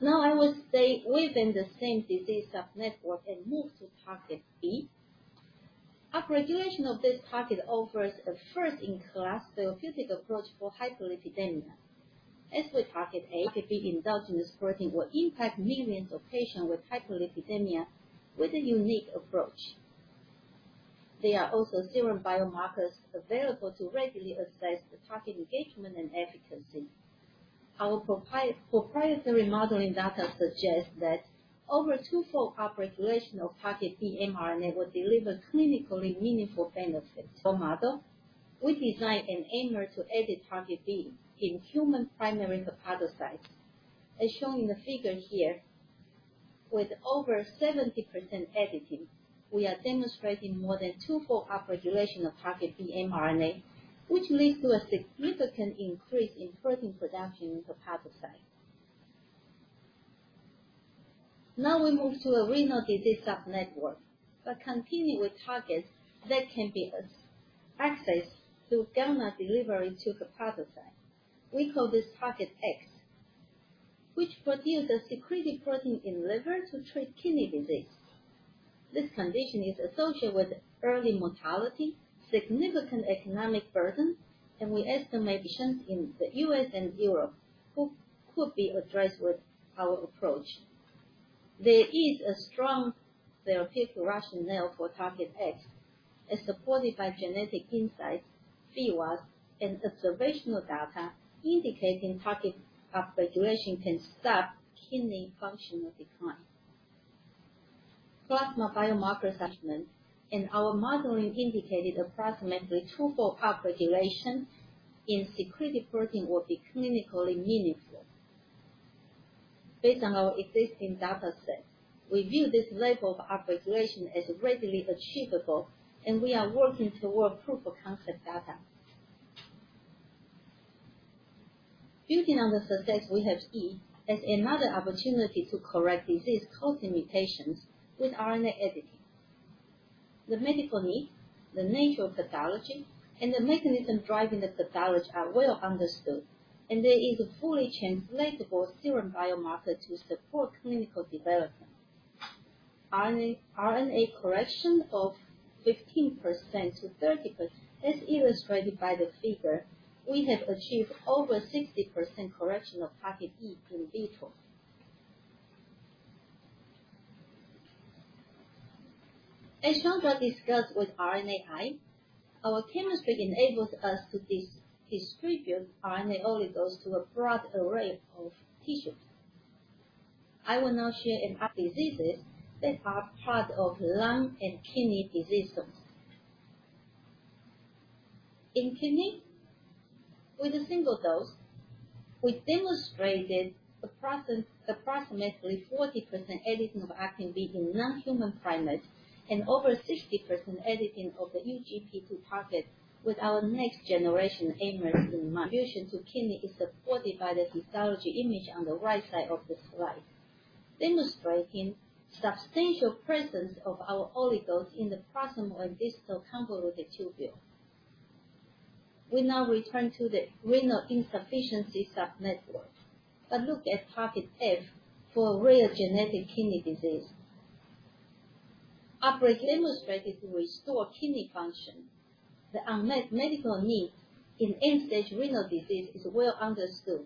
Now I will stay within the same disease subnetwork and move to target B. Upregulation of this target offers a first-in-class therapeutic approach for hyperlipidemia. As with target A, the B endogenous protein will impact millions of patients with hyperlipidemia with a unique approach. There are also serum biomarkers available to regularly assess the target engagement and efficacy. Our proprietary modeling data suggests that over two-fold upregulation of target B mRNA will deliver clinically meaningful benefits or model. We designed an AIMer to edit target B in human primary hepatocytes. As shown in the figure here, with over 70% editing, we are demonstrating more than 2-fold upregulation of target B mRNA, which leads to a significant increase in protein production in hepatocyte. Now we move to a renal disease subnetwork, but continue with targets that can be accessed through GalNAc delivery to hepatocyte. We call this target X, which produces a secreted protein in liver to treat kidney disease. This condition is associated with early mortality, significant economic burden, and we estimate patients in the US and Europe who could be addressed with our approach. There is a strong therapeutic rationale for target X, as supported by genetic insights, PheWAS, and observational data, indicating target upregulation can stop kidney functional decline. Plasma biomarker assessment and our modeling indicated approximately two-fold upregulation in secreted protein will be clinically meaningful. Based on our existing data set, we view this level of upregulation as readily achievable, and we are working toward proof of concept data. Building on the success we have seen, as another opportunity to correct disease-causing mutations with RNA editing. The medical need, the nature of pathology, and the mechanism driving the pathology are well understood, and there is a fully translatable serum biomarker to support clinical development. RNA, RNA correction of 15%-30%. As illustrated by the figure, we have achieved over 60% correction of target E in vitro. As Chandra discussed with RNAi, our chemistry enables us to distribute RNA oligos to a broad array of tissues. I will now share in heart diseases that are part of lung and kidney disease zones. In clinic, with a single dose, we demonstrated approximately 40% editing of ACTB in non-human primates and over 60% editing of the UGP2 target with our next generation AIMers in mice. Solution to kidney is supported by the histology image on the right side of the slide, demonstrating substantial presence of our oligos in the proximal and distal convoluted tubule. We now return to the renal insufficiency subnetwork, but look at target F for a rare genetic kidney disease. Our approach demonstrated to restore kidney function. The unmet medical need in end-stage renal disease is well understood,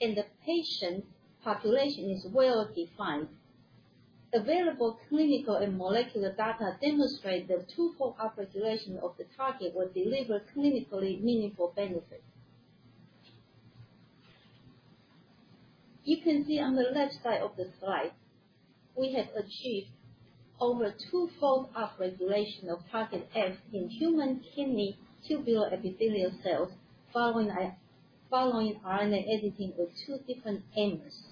and the patient population is well defined. Available clinical and molecular data demonstrate that two-fold upregulation of the target will deliver clinically meaningful benefits. You can see on the left side of the slide, we have achieved over two-fold upregulation of target F in human kidney tubular epithelial cells following RNA editing with two different AIMers.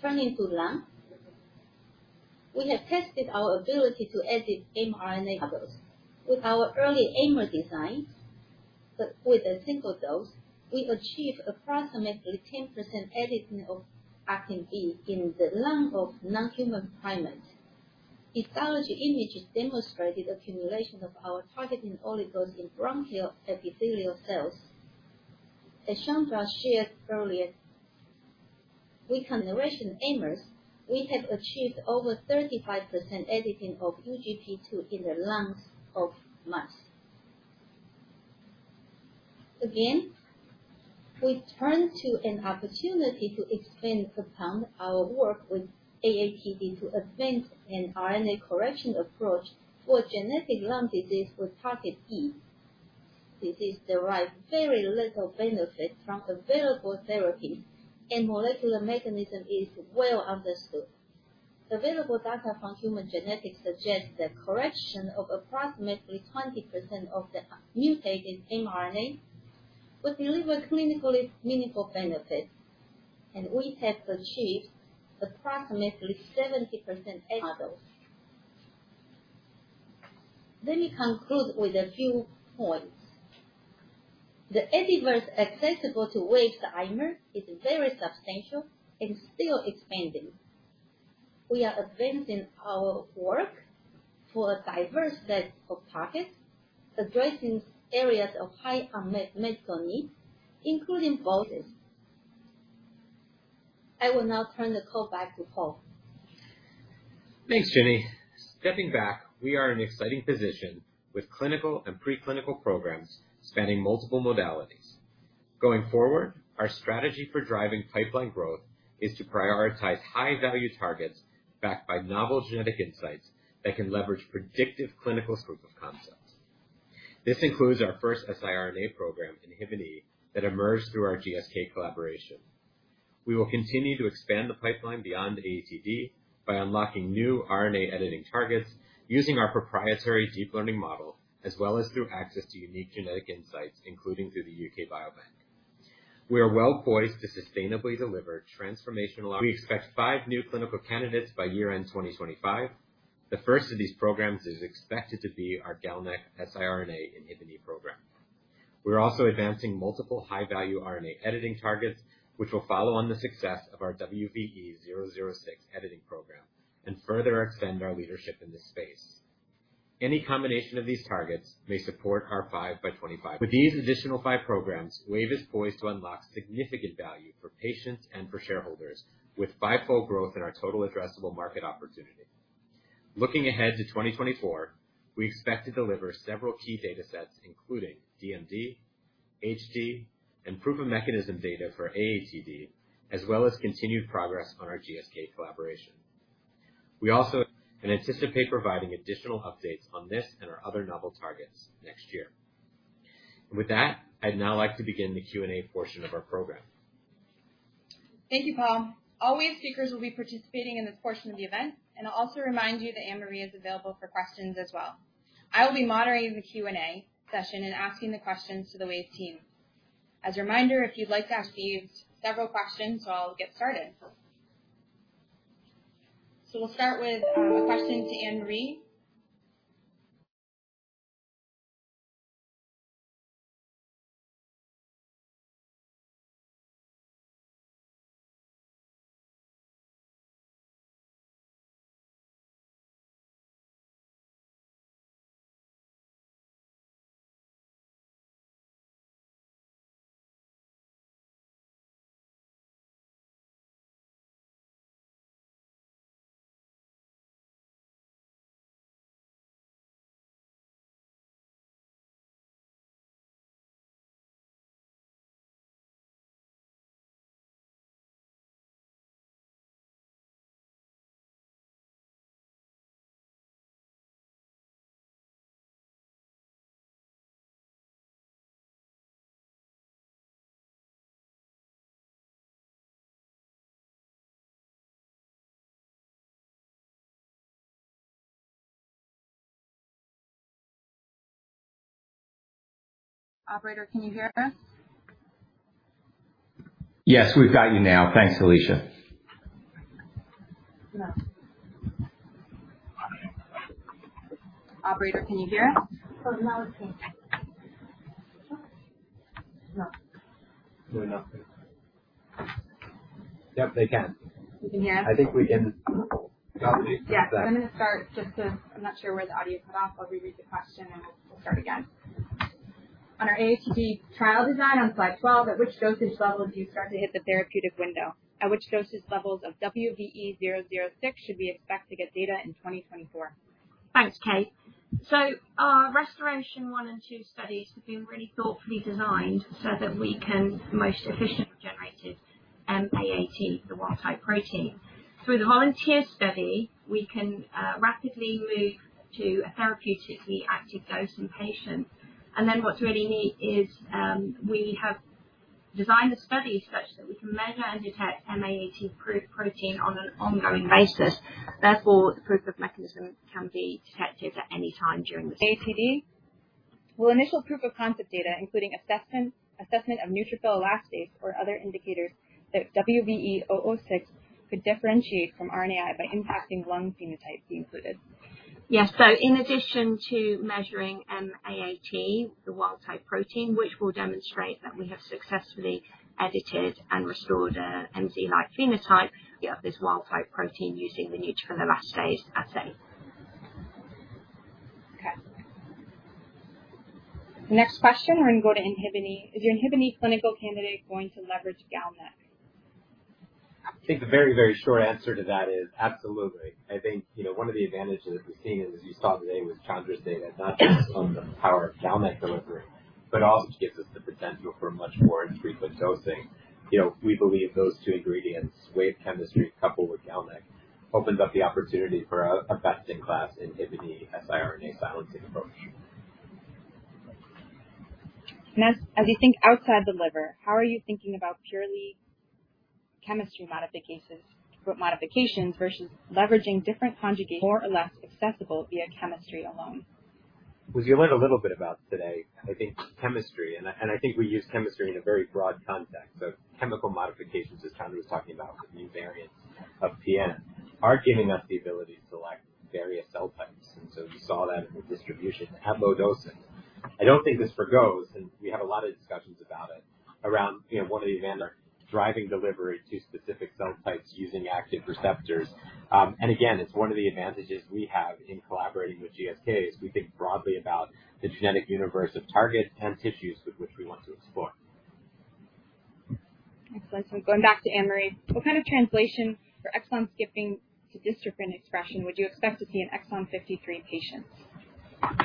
Turning to lung, we have tested our ability to edit mRNA levels. With our early AIMer design, but with a single dose, we've achieved approximately 10% editing of ACTB in the lung of non-human primates. Histology images demonstrated accumulation of our targeting oligos in bronchial epithelial cells. As Chandra shared earlier, with generation AIMers, we have achieved over 35% editing of UGP2 in the lungs of mice. Again, we turn to an opportunity to expand upon our work with AATD to advance an RNA correction approach for genetic lung disease with target Indication disease derive very little benefit from available therapies, and molecular mechanism is well understood. Available data from human genetics suggests that correction of approximately 20% of the mutated mRNA would deliver clinically meaningful benefits, and we have achieved approximately 70% editing. Let me conclude with a few points. The Editverse accessible to Wave AIMer is very substantial and still expanding. We are advancing our work for a diverse set of targets, addressing areas of high unmet medical needs, including AATD. I will now turn the call back to Paul. Thanks, Ginnie. Stepping back, we are in an exciting position with clinical and preclinical programs spanning multiple modalities. Going forward, our strategy for driving pipeline growth is to prioritize high-value targets backed by novel genetic insights that can leverage predictive clinical proof of concepts. This includes our first siRNA program, INHBE, that emerged through our GSK collaboration. We will continue to expand the pipeline beyond AATD by unlocking new RNA editing targets using our proprietary deep learning model, as well as through access to unique genetic insights, including through the UK Biobank. We are well poised to sustainably deliver transformational. We expect five new clinical candidates by year-end 2025. The first of these programs is expected to be our GalNAc siRNA INHBE program. We're also advancing multiple high-value RNA editing targets, which will follow on the success of our WVE-006 editing program and further extend our leadership in this space. Any combination of these targets may support our 5x25. With these additional 5 programs, Wave is poised to unlock significant value for patients and for shareholders, with fivefold growth in our total addressable market opportunity. Looking ahead to 2024, we expect to deliver several key data sets, including DMD, HD, and proof of mechanism data for AATD, as well as continued progress on our GSK collaboration. We also anticipate providing additional updates on this and our other novel targets next year. With that, I'd now like to begin the Q&A portion of our program. Thank you, Paul. All Wave speakers will be participating in this portion of the event, and I'll also remind you that Anne-Marie is available for questions as well. I will be moderating the Q&A session and asking the questions to the Wave team. As a reminder, if you'd like to ask you several questions, so I'll get started. So we'll start with a question to Anne-Marie. Operator, can you hear us? Yes, we've got you now. Thanks, Alicia. No, Operator, can you hear us? So now it's me. No. No, nothing. Yep, they can. We can hear? I think we can. Yeah. I'm gonna start just 'cause I'm not sure where the audio cut off. I'll reread the question, and we'll start again. On our AATD trial design on slide 12, at which dosage levels do you start to hit the therapeutic window? At which dosage levels of WVE-006 should we expect to get data in 2024? Thanks, Kate. So our RestorAATion-1 and RestorAATion-2 studies have been really thoughtfully designed so that we can most efficiently generate M-AAT, the wild type protein. Through the volunteer study, we can rapidly move to a therapeutically active dose in patients. And then what's really neat is we have designed the study such that we can measure and detect M-AAT pro-protein on an ongoing basis. Therefore, the proof of mechanism can be detected at any time during the- AATD? Will initial proof of concept data, including assessment of neutrophil elastase or other indicators that WVE-006 could differentiate from RNAi by impacting lung phenotypes be included? Yes. So in addition to measuring M-AAT, the wild-type protein, which will demonstrate that we have successfully edited and restored an M-like phenotype, we have this wild-type protein using the neutrophil elastase assay. Okay. Next question, we're going to go to INHBE. Is your INHBE clinical candidate going to leverage GalNAc? I think the very, very short answer to that is absolutely. I think, you know, one of the advantages we're seeing, as you saw today with Chandra's data, not just on the power of GalNAc delivery, but also gives us the potential for much more infrequent dosing. You know, we believe those two ingredients, Wave chemistry coupled with GalNAc, opens up the opportunity for a best-in-class INHBE siRNA silencing approach. As you think outside the liver, how are you thinking about purely chemistry modifications versus leveraging different conjugates, more or less accessible via chemistry alone? Which you learned a little bit about today, I think chemistry, and I think we use chemistry in a very broad context of chemical modifications, as Chandra was talking about, with new variants of PN are giving us the ability to select various cell types. And so you saw that in the distribution at low doses. I don't think this forgoes, and we have a lot of discussions about it, around, you know, one of the advantage, driving delivery to specific cell types using active receptors. And again, it's one of the advantages we have in collaborating with GSK, is we think broadly about the genetic universe of targets and tissues with which we want to explore. Excellent. So going back to Anne-Marie, what kind of translation for exon skipping to dystrophin expression would you expect to see in Exon 53 patients?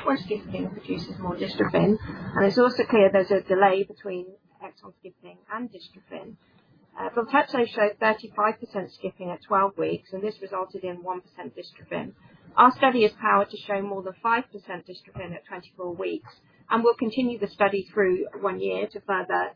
Well, skipping produces more dystrophin, and it's also clear there's a delay between exon skipping and dystrophin. Golodirsen showed 35% skipping at 12 weeks, and this resulted in 1% dystrophin. Our study is powered to show more than 5% dystrophin at 24 weeks, and we'll continue the study through 1 year to further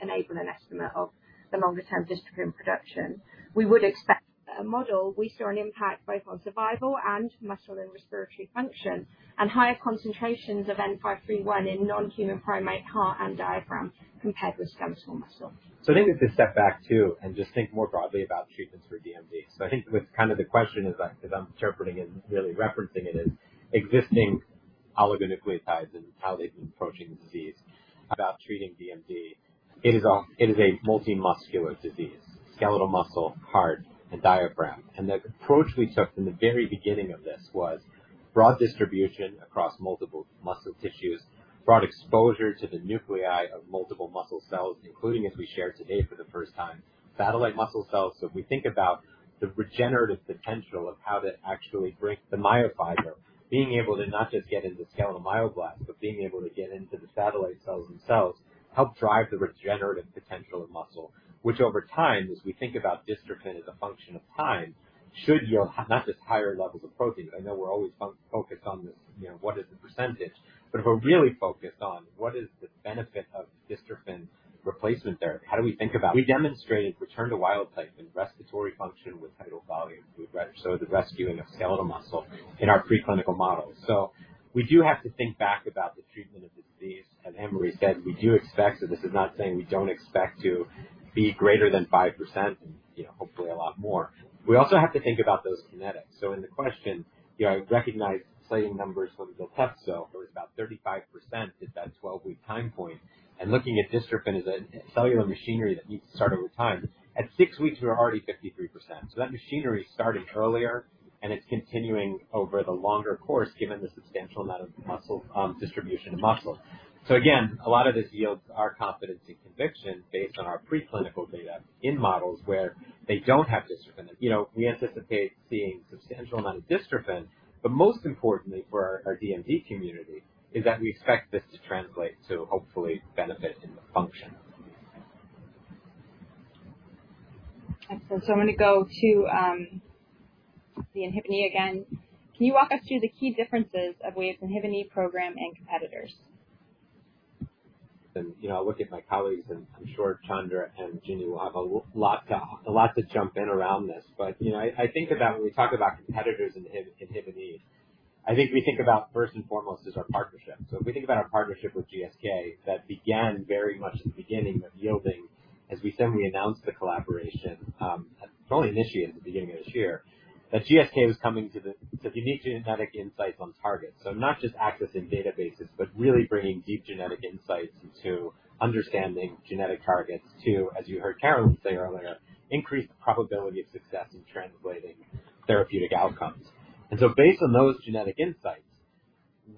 enable an estimate of the longer term dystrophin production. We would expect a model. We saw an impact both on survival and muscle and respiratory function, and higher concentrations of WVE-N531 in non-human primate heart and diaphragm, compared with skeletal muscle. So I think we could step back, too, and just think more broadly about treatments for DMD. So I think that's kind of the question, as I, as I'm interpreting it, and really referencing it, is existing oligonucleotides and how they've been approaching the disease about treating DMD. It is a multi-muscular disease, skeletal, muscle, heart, and diaphragm. And the approach we took from the very beginning of this was broad distribution across multiple muscle tissues, broad exposure to the nuclei of multiple muscle cells, including, as we shared today for the first time, satellite muscle cells. So we think about the regenerative potential of how to actually bring the myofiber, being able to not just get into skeletal myoblasts, but being able to get into the satellite cells themselves, help drive the regenerative potential of muscle. Which over time, as we think about dystrophin as a function of time, should yield not just higher levels of protein, but I know we're always focused on this, you know, what is the percentage? But if we're really focused on what is the benefit of dystrophin replacement therapy, how do we think about. We demonstrated return to wild-type and respiratory function with tidal volume, so the rescuing of skeletal muscle in our preclinical models. So we do have to think back about the treatment of this disease. As Anne-Marie said, we do expect, so this is not saying we don't expect to be greater than 5%, and, you know, hopefully a lot more. We also have to think about those kinetics. So in the question, you know, I recognize saying numbers from Golodirsen, where it's about 35% at that 12-week time point, and looking at dystrophin as a cellular machinery that needs to start over time. At 6 weeks, we were already 53%, so that machinery started earlier, and it's continuing over the longer course, given the substantial amount of muscle distribution of muscle. So again, a lot of this yields our confidence and conviction based on our preclinical data in models where they don't have dystrophin. You know, we anticipate seeing substantial amount of dystrophin, but most importantly for our DMD community, is that we expect this to translate to hopefully benefit in the function. Excellent. So I'm gonna go to the INHBE again. Can you walk us through the key differences of Wave's INHBE program and competitors? You know, I look at my colleagues, and I'm sure Chandra and Ginnie will have a lot to jump in around this. But, you know, I think about when we talk about competitors in INHBE. I think we think about first and foremost is our partnership. So if we think about our partnership with GSK, that began very much at the beginning of this year, as we said, when we announced the collaboration only this year, at the beginning of this year, that GSK was coming to the unique genetic insights on targets. So not just accessing databases, but really bringing deep genetic insights into understanding genetic targets, to, as you heard Carolyn say earlier, increase the probability of success in translating therapeutic outcomes. So based on those genetic insights,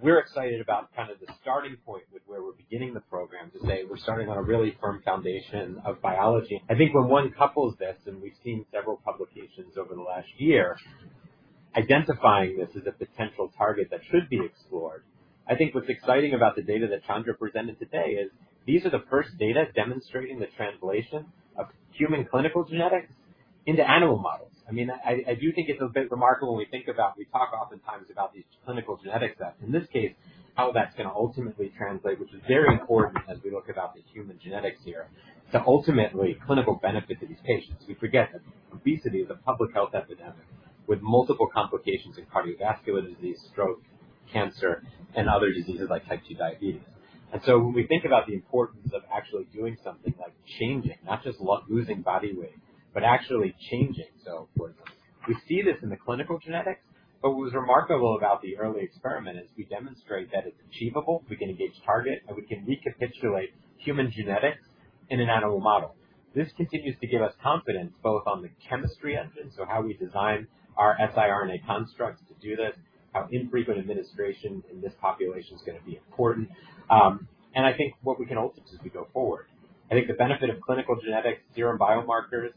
we're excited about kind of the starting point with where we're beginning the program to say we're starting on a really firm foundation of biology. I think when one couples this, and we've seen several publications over the last year identifying this as a potential target that should be explored. I think what's exciting about the data that Chandra presented today is these are the first data demonstrating the translation of human clinical genetics into animal models. I mean, I do think it's a bit remarkable when we think about, we talk oftentimes about these clinical genetics, that in this case, how that's gonna ultimately translate, which is very important as we look about the human genetics here. So ultimately clinical benefit to these patients. We forget that obesity is a public health epidemic with multiple complications in cardiovascular disease, stroke, cancer, and other diseases like type 2 diabetes. So when we think about the importance of actually doing something, like changing, not just losing body weight, but actually changing, so for instance, we see this in the clinical genetics, but what was remarkable about the early experiment is we demonstrate that it's achievable, we can engage target, and we can recapitulate human genetics in an animal model. This continues to give us confidence both on the chemistry engine, so how we design our siRNA constructs to do this, how infrequent administration in this population is gonna be important. And I think what we can ultimately do go forward-... I think the benefit of clinical genetics, serum biomarkers,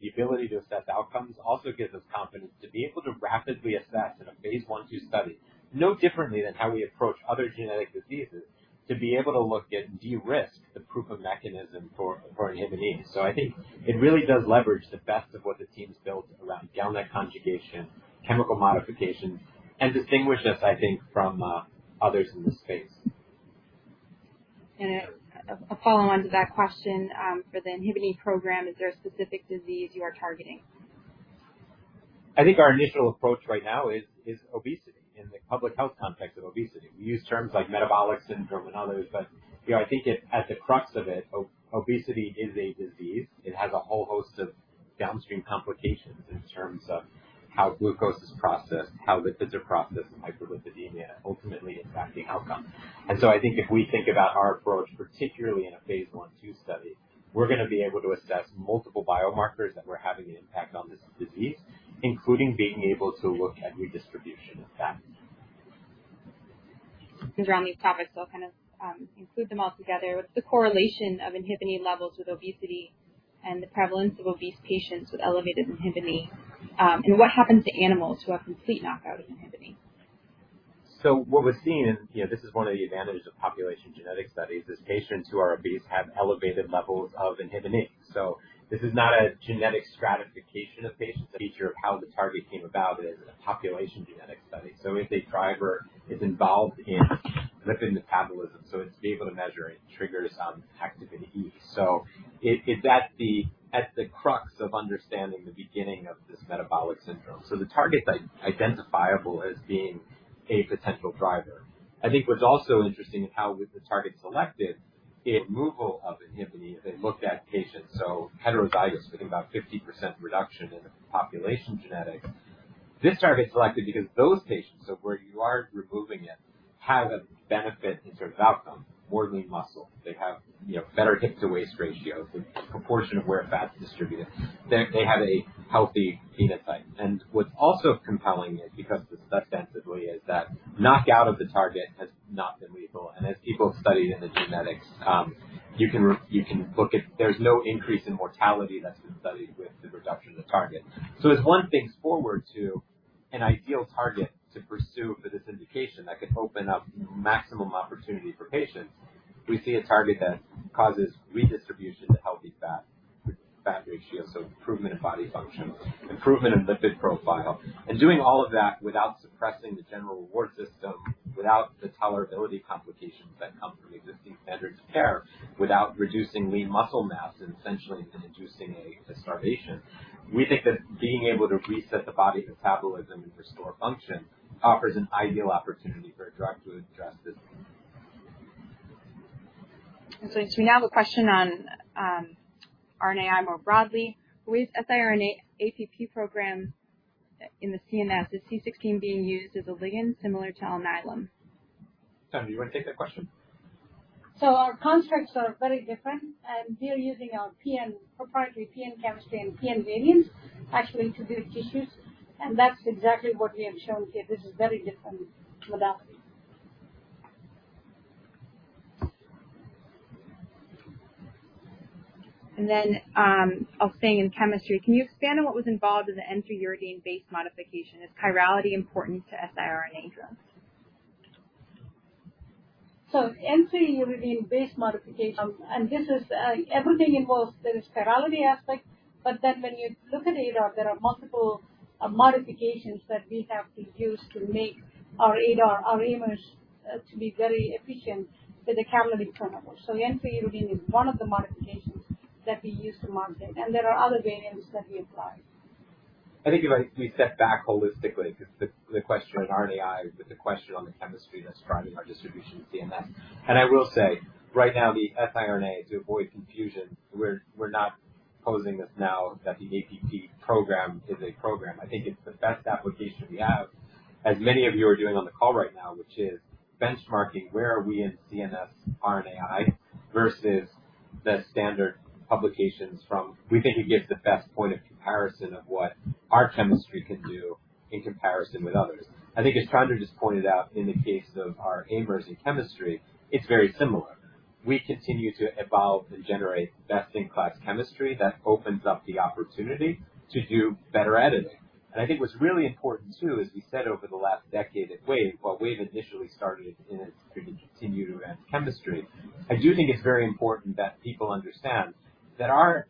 the ability to assess outcomes, also gives us confidence to be able to rapidly assess in a phase I/II study, no differently than how we approach other genetic diseases, to be able to look at de-risk the proof of mechanism for INHBE. So I think it really does leverage the best of what the team's built around GalNAc conjugation, chemical modifications, and distinguish us, I think, from others in the space. A follow-on to that question, for the INHBE program, is there a specific disease you are targeting? I think our initial approach right now is obesity, in the public health context of obesity. We use terms like metabolic syndrome and others, but, you know, I think at the crux of it, obesity is a disease. It has a whole host of downstream complications in terms of how glucose is processed, how lipids are processed, and hyperlipidemia ultimately impacting outcomes. And so I think if we think about our approach, particularly in a phase I/II study, we're gonna be able to assess multiple biomarkers that we're having an impact on this disease, including being able to look at redistribution of fat. Around these topics, so I'll kind of include them all together. What's the correlation of INHBE levels with obesity and the prevalence of obese patients with elevated INHBE? And what happens to animals who have complete knockout of INHBE? So what we're seeing is, you know, this is one of the advantages of population genetic studies: patients who are obese have elevated levels of INHBE. So this is not a genetic stratification of patients, a feature of how the target came about; it is a population genetic study. So if a driver is involved in lipid metabolism, so it's be able to measure it and trigger some activity E. So it, it's at the, at the crux of understanding the beginning of this metabolic syndrome, so the target's identifiable as being a potential driver. I think what's also interesting is how with the target selected, it removal of INHBE, they looked at patients, so heterozygous, looking about 50% reduction in the population genetics. This target is selected because those patients, so where you are removing it, have a benefit in terms of outcome, more lean muscle. They have, you know, better hip to waist ratios and proportion of where fat is distributed. They have a healthy phenotype. And what's also compelling is, because this ostensibly is that knockout of the target has not been lethal. And as people study in the genetics, you can look at... There's no increase in mortality that's been studied with the reduction of the target. So as one thinks forward to an ideal target to pursue for this indication, that could open up maximum opportunity for patients, we see a target that causes redistribution to healthy fat, fat ratio, so improvement in body function, improvement in lipid profile. Doing all of that without suppressing the general reward system, without the tolerability complications that come from existing standards of care, without reducing lean muscle mass and essentially inducing a starvation. We think that being able to reset the body metabolism and restore function offers an ideal opportunity for a drug to address this. So do we now have a question on RNAi more broadly? With siRNA APP program in the CNS, is C16 being used as a ligand similar to Alnylam? Chandra, do you want to take that question? So our constructs are very different, and we are using our PN, proprietary PN chemistry and PN variants, actually, to build tissues. And that's exactly what we have shown here. This is very different modality. I'll stay in chemistry. Can you expand on what was involved in the N3-uridine base modification? Is chirality important to siRNA drugs? So N3U base modification, and this is everything involves the chirality aspect, but then when you look at ADAR, there are multiple modifications that we have to use to make our ADAR, our AIMers, to be very efficient with the catalytic turnover. So the N3U is one of the modifications that we use to modify, and there are other variants that we apply. I think if we step back holistically, because the question on RNAi, but the question on the chemistry that's driving our distribution in CNS. And I will say, right now, the siRNA, to avoid confusion, we're not posing this now that the APP program is a program. I think it's the best application we have, as many of you are doing on the call right now, which is benchmarking where are we in CNS RNAi versus the standard publications from... We think it gives the best point of comparison of what our chemistry can do in comparison with others. I think as Chandra just pointed out, in the case of our AIMer chemistry, it's very similar. We continue to evolve and generate best-in-class chemistry that opens up the opportunity to do better editing. I think what's really important, too, is we said over the last decade at Wave, while Wave initially started and it's going to continue to add chemistry, I do think it's very important that people understand that our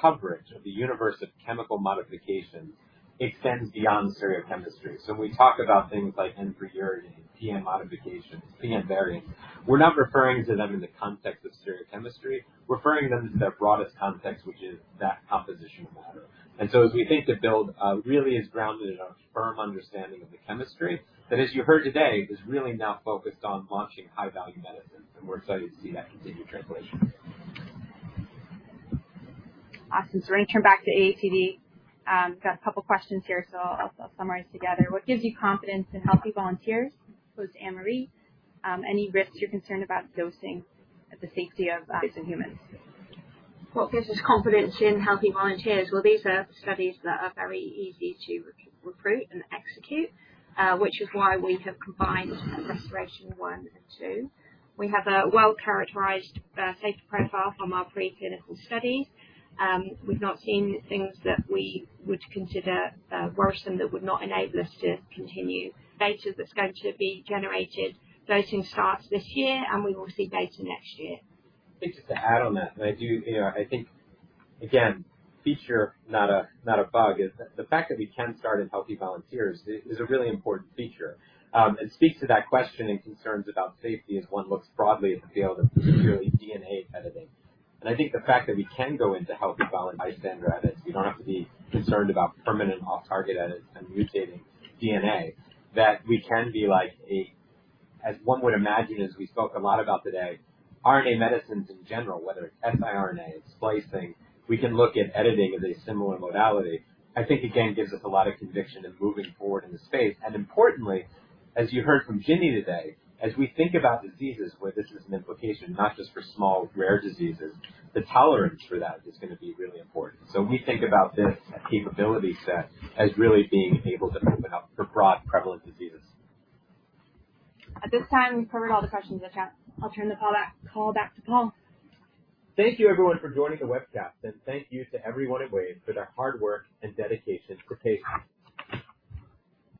coverage of the universe of chemical modifications extends beyond stereochemistry. So when we talk about things like N3U, PN modifications, PN variants, we're not referring to them in the context of stereochemistry. Referring them to their broadest context, which is that composition of matter. And so as we think the build, really is grounded in a firm understanding of the chemistry, but as you heard today, is really now focused on launching high-value medicines, and we're excited to see that continued translation. Awesome. So we're going to turn back to AATD. Got a couple questions here, so I'll summarize together. What gives you confidence in healthy volunteers post Anne-Marie? Any risks you're concerned about dosing at the safety of in humans? What gives us confidence in healthy volunteers? Well, these are studies that are very easy to re-recruit and execute, which is why we have combined registration 1 and 2. We have a well-characterized safety profile from our preclinical studies. We've not seen things that we would consider worse, and that would not enable us to continue data that's going to be generated. Dosing starts this year, and we will see data next year. I think just to add on that, and I do, you know, I think, again, feature, not a bug, is the fact that we can start in healthy volunteers is a really important feature. It speaks to that question and concerns about safety as one looks broadly at the field of purely DNA editing. And I think the fact that we can go into healthy volunteers and edit, we don't have to be concerned about permanent off-target edits and mutating DNA, that we can be like a... As one would imagine, as we spoke a lot about today, RNA medicines in general, whether it's siRNA, it's splicing, we can look at editing of a similar modality. I think, again, gives us a lot of conviction in moving forward in the space. And importantly, as you heard from Ginnie today, as we think about diseases where this is an implication, not just for small, rare diseases, the tolerance for that is gonna be really important. So we think about this as a capability set, as really being able to open up for broad prevalent diseases. At this time, we've covered all the questions in the chat. I'll turn the call back to Paul. Thank you, everyone, for joining the webcast, and thank you to everyone at Wave for their hard work and dedication to patients.